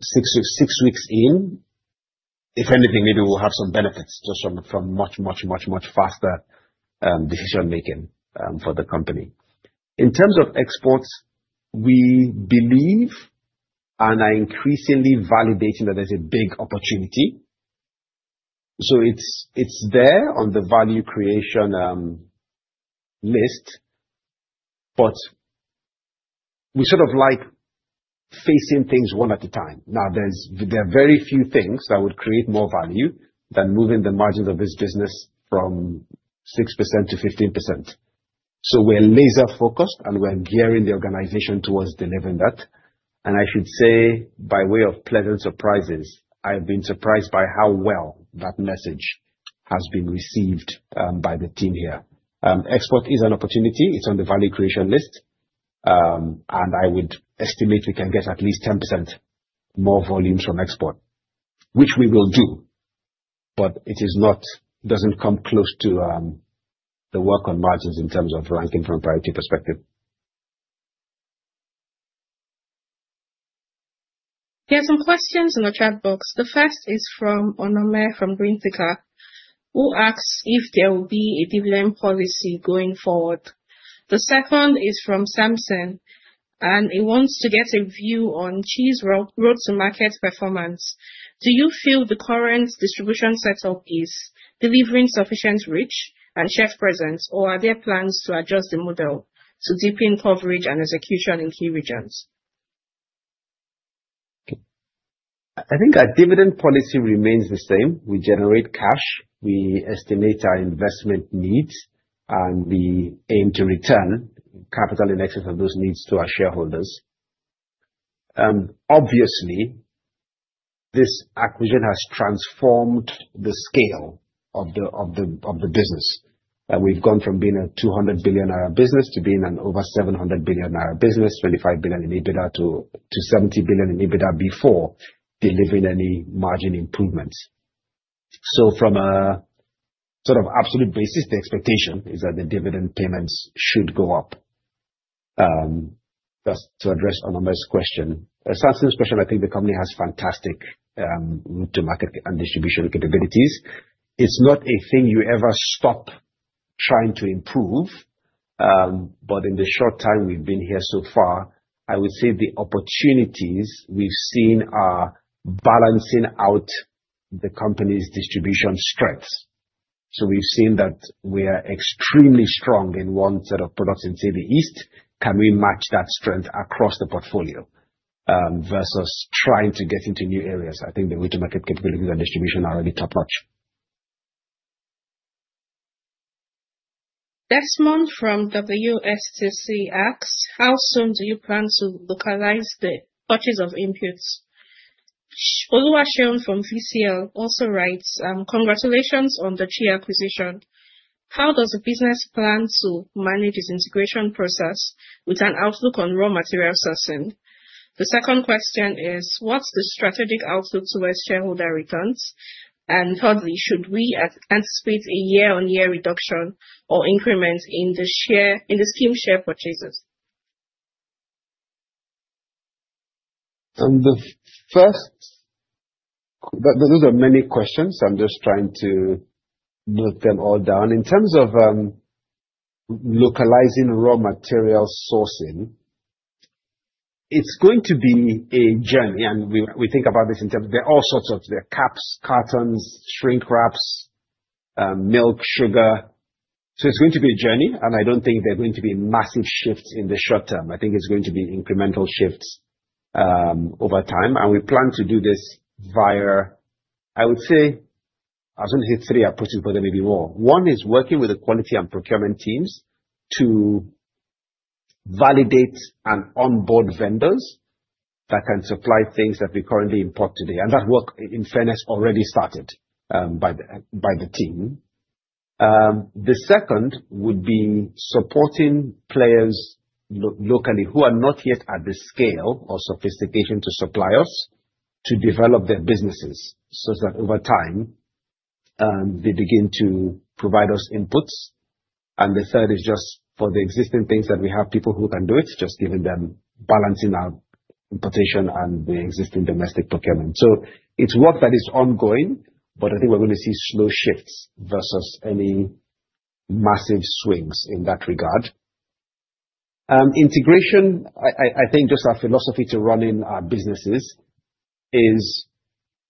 six weeks in, if anything, maybe we'll have some benefits just from much, much faster decision making for the company. In terms of exports, we believe, and are increasingly validating that there's a big opportunity. It's there on the value creation list, but we sort of like facing things one at a time. Now, there are very few things that would create more value than moving the margins of this business from 6% to 15%. We're laser-focused, and we're gearing the organization towards delivering that. I should say, by way of pleasant surprises, I've been surprised by how well that message has been received by the team here. Export is an opportunity. It's on the value creation list. I would estimate we can get at least 10% more volumes from export, which we will do, but it doesn't come close to the work on margins in terms of ranking from priority perspective. There are some questions in the chat box. The first is from Onome from Greenticker, who asks if there will be a dividend policy going forward. The second is from Samson, and he wants to get a view on Chi's road to market performance. Do you feel the current distribution setup is delivering sufficient reach and share presence, or are there plans to adjust the model to deepen coverage and execution in key regions? I think our dividend policy remains the same. We generate cash, we estimate our investment needs, and we aim to return capital in excess of those needs to our shareholders. Obviously, this acquisition has transformed the scale of the business. We've gone from being a 200 billion naira business to being an over 700 billion naira business, 25 billion in EBITDA to 70 billion in EBITDA before delivering any margin improvements. From a sort of absolute basis, the expectation is that the dividend payments should go up. That's to address Onome's question. Samson's question, I think the company has fantastic route to market and distribution capabilities. It's not a thing you ever stop trying to improve, but in the short time we've been here so far, I would say the opportunities we've seen are balancing out the company's distribution strengths. We've seen that we are extremely strong in one set of products in say the East. Can we match that strength across the portfolio? Versus trying to get into new areas. I think the route to market capabilities and distribution are already top-notch. Desmond from WSTC asks, how soon do you plan to localize the purchase of inputs? Oluwaseun from VCL also writes, "Congratulations on the Chi acquisition. How does the business plan to manage its integration process with an outlook on raw material sourcing?" The second question is: "What's the strategic outlook towards shareholder returns?" Thirdly: "Should we anticipate a year-on-year reduction or increment in the scheme share purchases? Those are many questions. I'm just trying to note them all down. In terms of localizing raw material sourcing, it's going to be a journey, and we think about this in terms. There are caps, cartons, shrink wraps, milk, sugar. It's going to be a journey, and I don't think there are going to be massive shifts in the short term. I think it's going to be incremental shifts over time. We plan to do this via, I would say three approaches, but there may be more. One is working with the quality and procurement teams to validate and onboard vendors that can supply things that we currently import today. That work, in fairness, already started by the team. The second would be supporting players locally who are not yet at the scale or sophistication to supply us to develop their businesses, such that over time, they begin to provide us inputs. The third is just for the existing things that we have, people who can do it, just giving them, balancing our importation and the existing domestic procurement. It's work that is ongoing, but I think we're going to see slow shifts versus any massive swings in that regard. Integration, I think just our philosophy to running our businesses is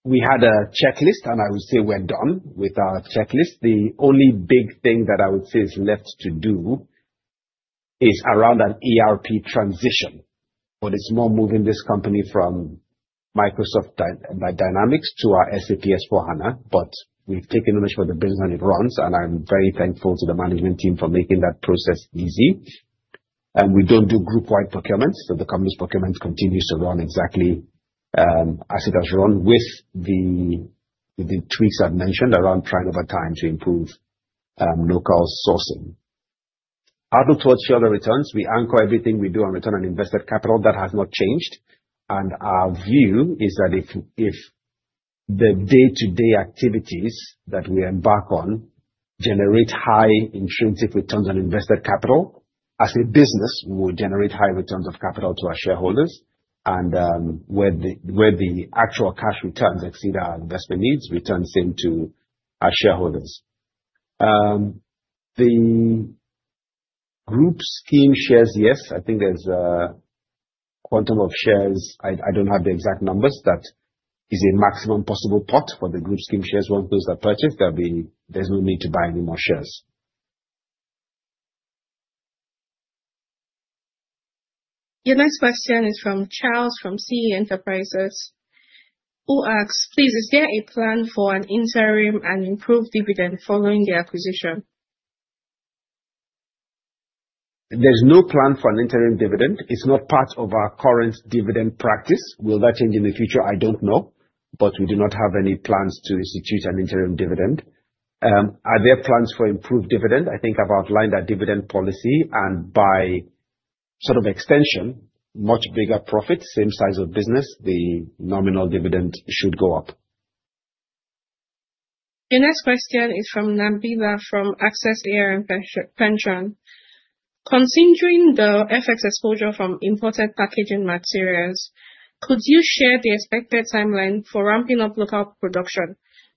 we had a checklist, and I would say we're done with our checklist. The only big thing that I would say is left to do is around an ERP transition. It's more moving this company from Microsoft Dynamics to our SAP S/4HANA. We've taken ownership of the business, and it runs, and I'm very thankful to the management team for making that process easy. We don't do group-wide procurements, the company's procurement continues to run exactly as it has run with the tweaks I've mentioned around trying over time to improve local sourcing. Outlook towards shareholder returns, we anchor everything we do on return on invested capital. That has not changed. Our view is that if the day-to-day activities that we embark on generate high intrinsic returns on invested capital, as a business, we will generate high returns of capital to our shareholders. Where the actual cash returns exceed our investment needs, returns into our shareholders. The group scheme shares, yes, I think there's a quantum of shares, I don't have the exact numbers, that is a maximum possible pot for the group scheme shares. Once those are purchased, there's no need to buy any more shares. Your next question is from Charles from CE Enterprises, who asks, "Please, is there a plan for an interim and improved dividend following the acquisition? There's no plan for an interim dividend. It's not part of our current dividend practice. Will that change in the future? I don't know, we do not have any plans to institute an interim dividend. Are there plans for improved dividend? I think I've outlined our dividend policy, by extension, much bigger profit, same size of business, the nominal dividend should go up. The next question is from Nabila from Access ARM Pensions. "Considering the FX exposure from imported packaging materials, could you share the expected timeline for ramping up local production?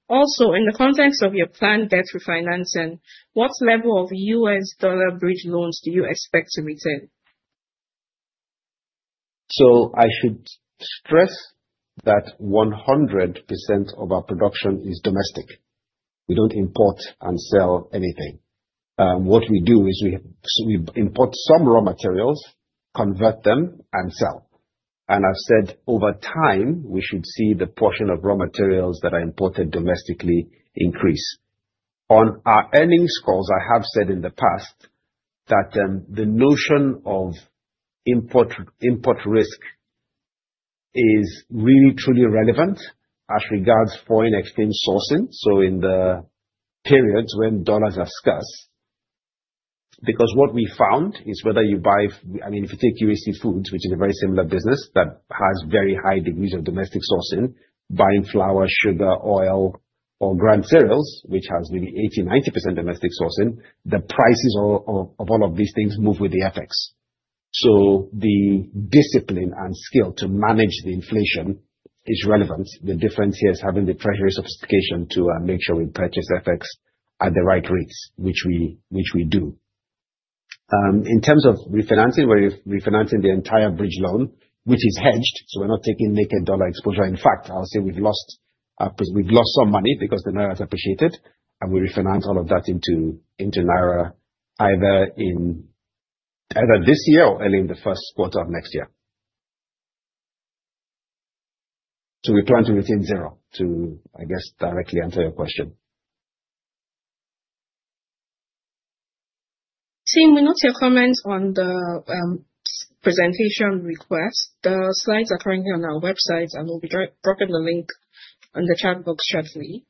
Also, in the context of your planned debt refinancing, what level of US dollar bridge loans do you expect to retain? I should stress that 100% of our production is domestic. We don't import and sell anything. What we do is we import some raw materials, convert them, and sell. I've said, over time, we should see the portion of raw materials that are imported domestically increase. On our earnings calls, I have said in the past that the notion of import risk is really truly irrelevant as regards foreign exchange sourcing, in the periods when dollars are scarce. What we found is whether you take UAC Foods, which is a very similar business that has very high degrees of domestic sourcing, buying flour, sugar, oil, or ground cereals, which has maybe 80%, 90% domestic sourcing, the prices of all of these things move with the FX. The discipline and skill to manage the inflation is relevant. The difference here is having the treasury sophistication to make sure we purchase FX at the right rates, which we do. In terms of refinancing, we're refinancing the entire bridge loan, which is hedged, so we're not taking naked USD exposure. In fact, I'll say we've lost some money because the Naira has appreciated, and we refinance all of that into Naira either this year or early in the first quarter of next year. We plan to retain zero, to, I guess, directly answer your question. Team, we note your comments on the presentation request. The slides are currently on our website, and we'll be dropping the link on the chat box shortly.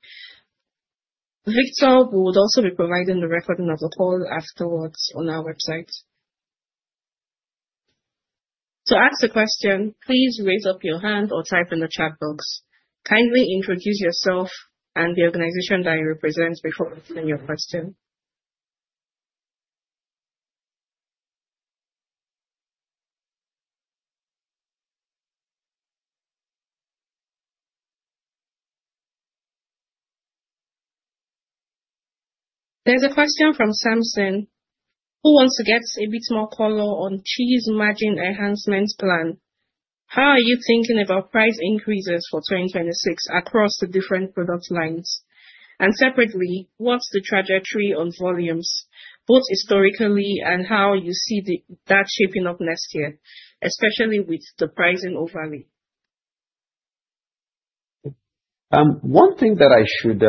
Victor, we would also be providing the recording of the call afterwards on our website. To ask a question, please raise up your hand or type in the chat box. Kindly introduce yourself and the organization that you represent before asking your question. There's a question from Samson, who wants to get a bit more color on Chi's margin enhancement plan. How are you thinking about price increases for 2026 across the different product lines? Separately, what's the trajectory on volumes, both historically and how you see that shaping up next year, especially with the pricing overlay? One thing that I should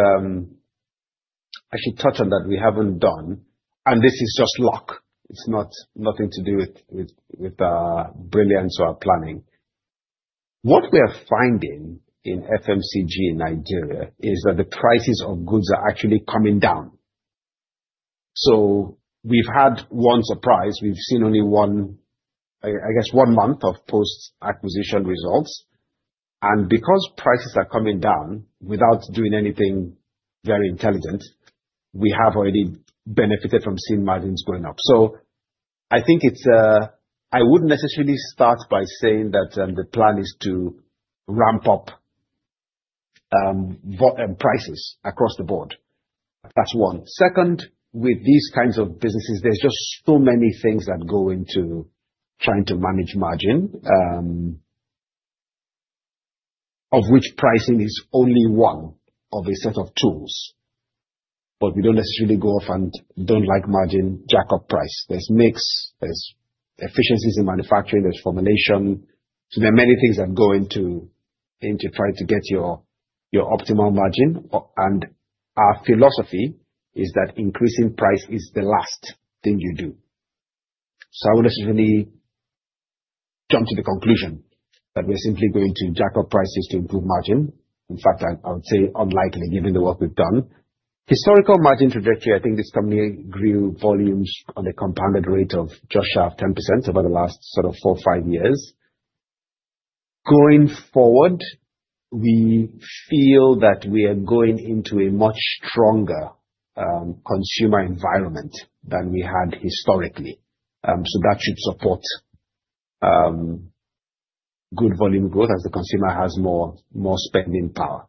touch on that we haven't done, and this is just luck. It's nothing to do with our brilliance or our planning. What we are finding in FMCG in Nigeria is that the prices of goods are actually coming down. We've had one surprise. We've seen only one, I guess, one month of post-acquisition results. Because prices are coming down without doing anything very intelligent, we have already benefited from seeing margins going up. I wouldn't necessarily start by saying that the plan is to ramp up prices across the board. That's one. Second, with these kinds of businesses, there's just so many things that go into trying to manage margin, of which pricing is only one of a set of tools. We don't necessarily go off and don't like margin, jack up price. There's mix, there's efficiencies in manufacturing, there's formulation. There are many things that go into trying to get your optimal margin. Our philosophy is that increasing price is the last thing you do. I wouldn't necessarily jump to the conclusion that we're simply going to jack up prices to improve margin. In fact, I would say unlikely, given the work we've done. Historical margin trajectory, I think this company grew volumes on a compounded rate of just shy of 10% over the last sort of four or five years. Going forward, we feel that we are going into a much stronger consumer environment than we had historically. That should support good volume growth as the consumer has more spending power.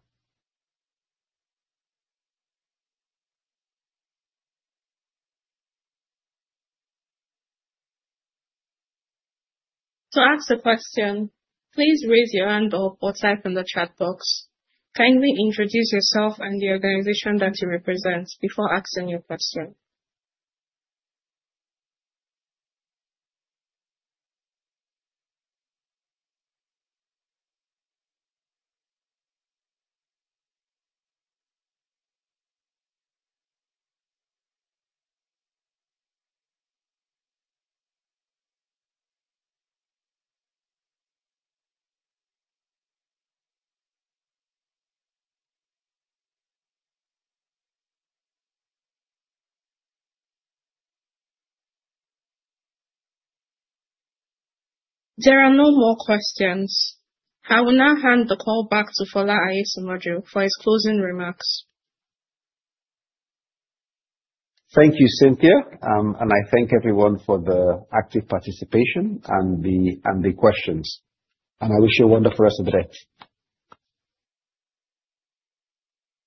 To ask a question, please raise your hand up or type in the chat box. Kindly introduce yourself and the organization that you represent before asking your question. There are no more questions. I will now hand the call back to Fola Aiyesimoju for his closing remarks. Thank you, Cynthia. I thank everyone for the active participation and the questions. I wish you a wonderful rest of the day.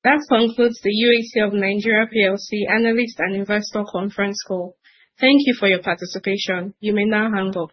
That concludes the UAC of Nigeria PLC analyst and investor conference call. Thank you for your participation. You may now hang up.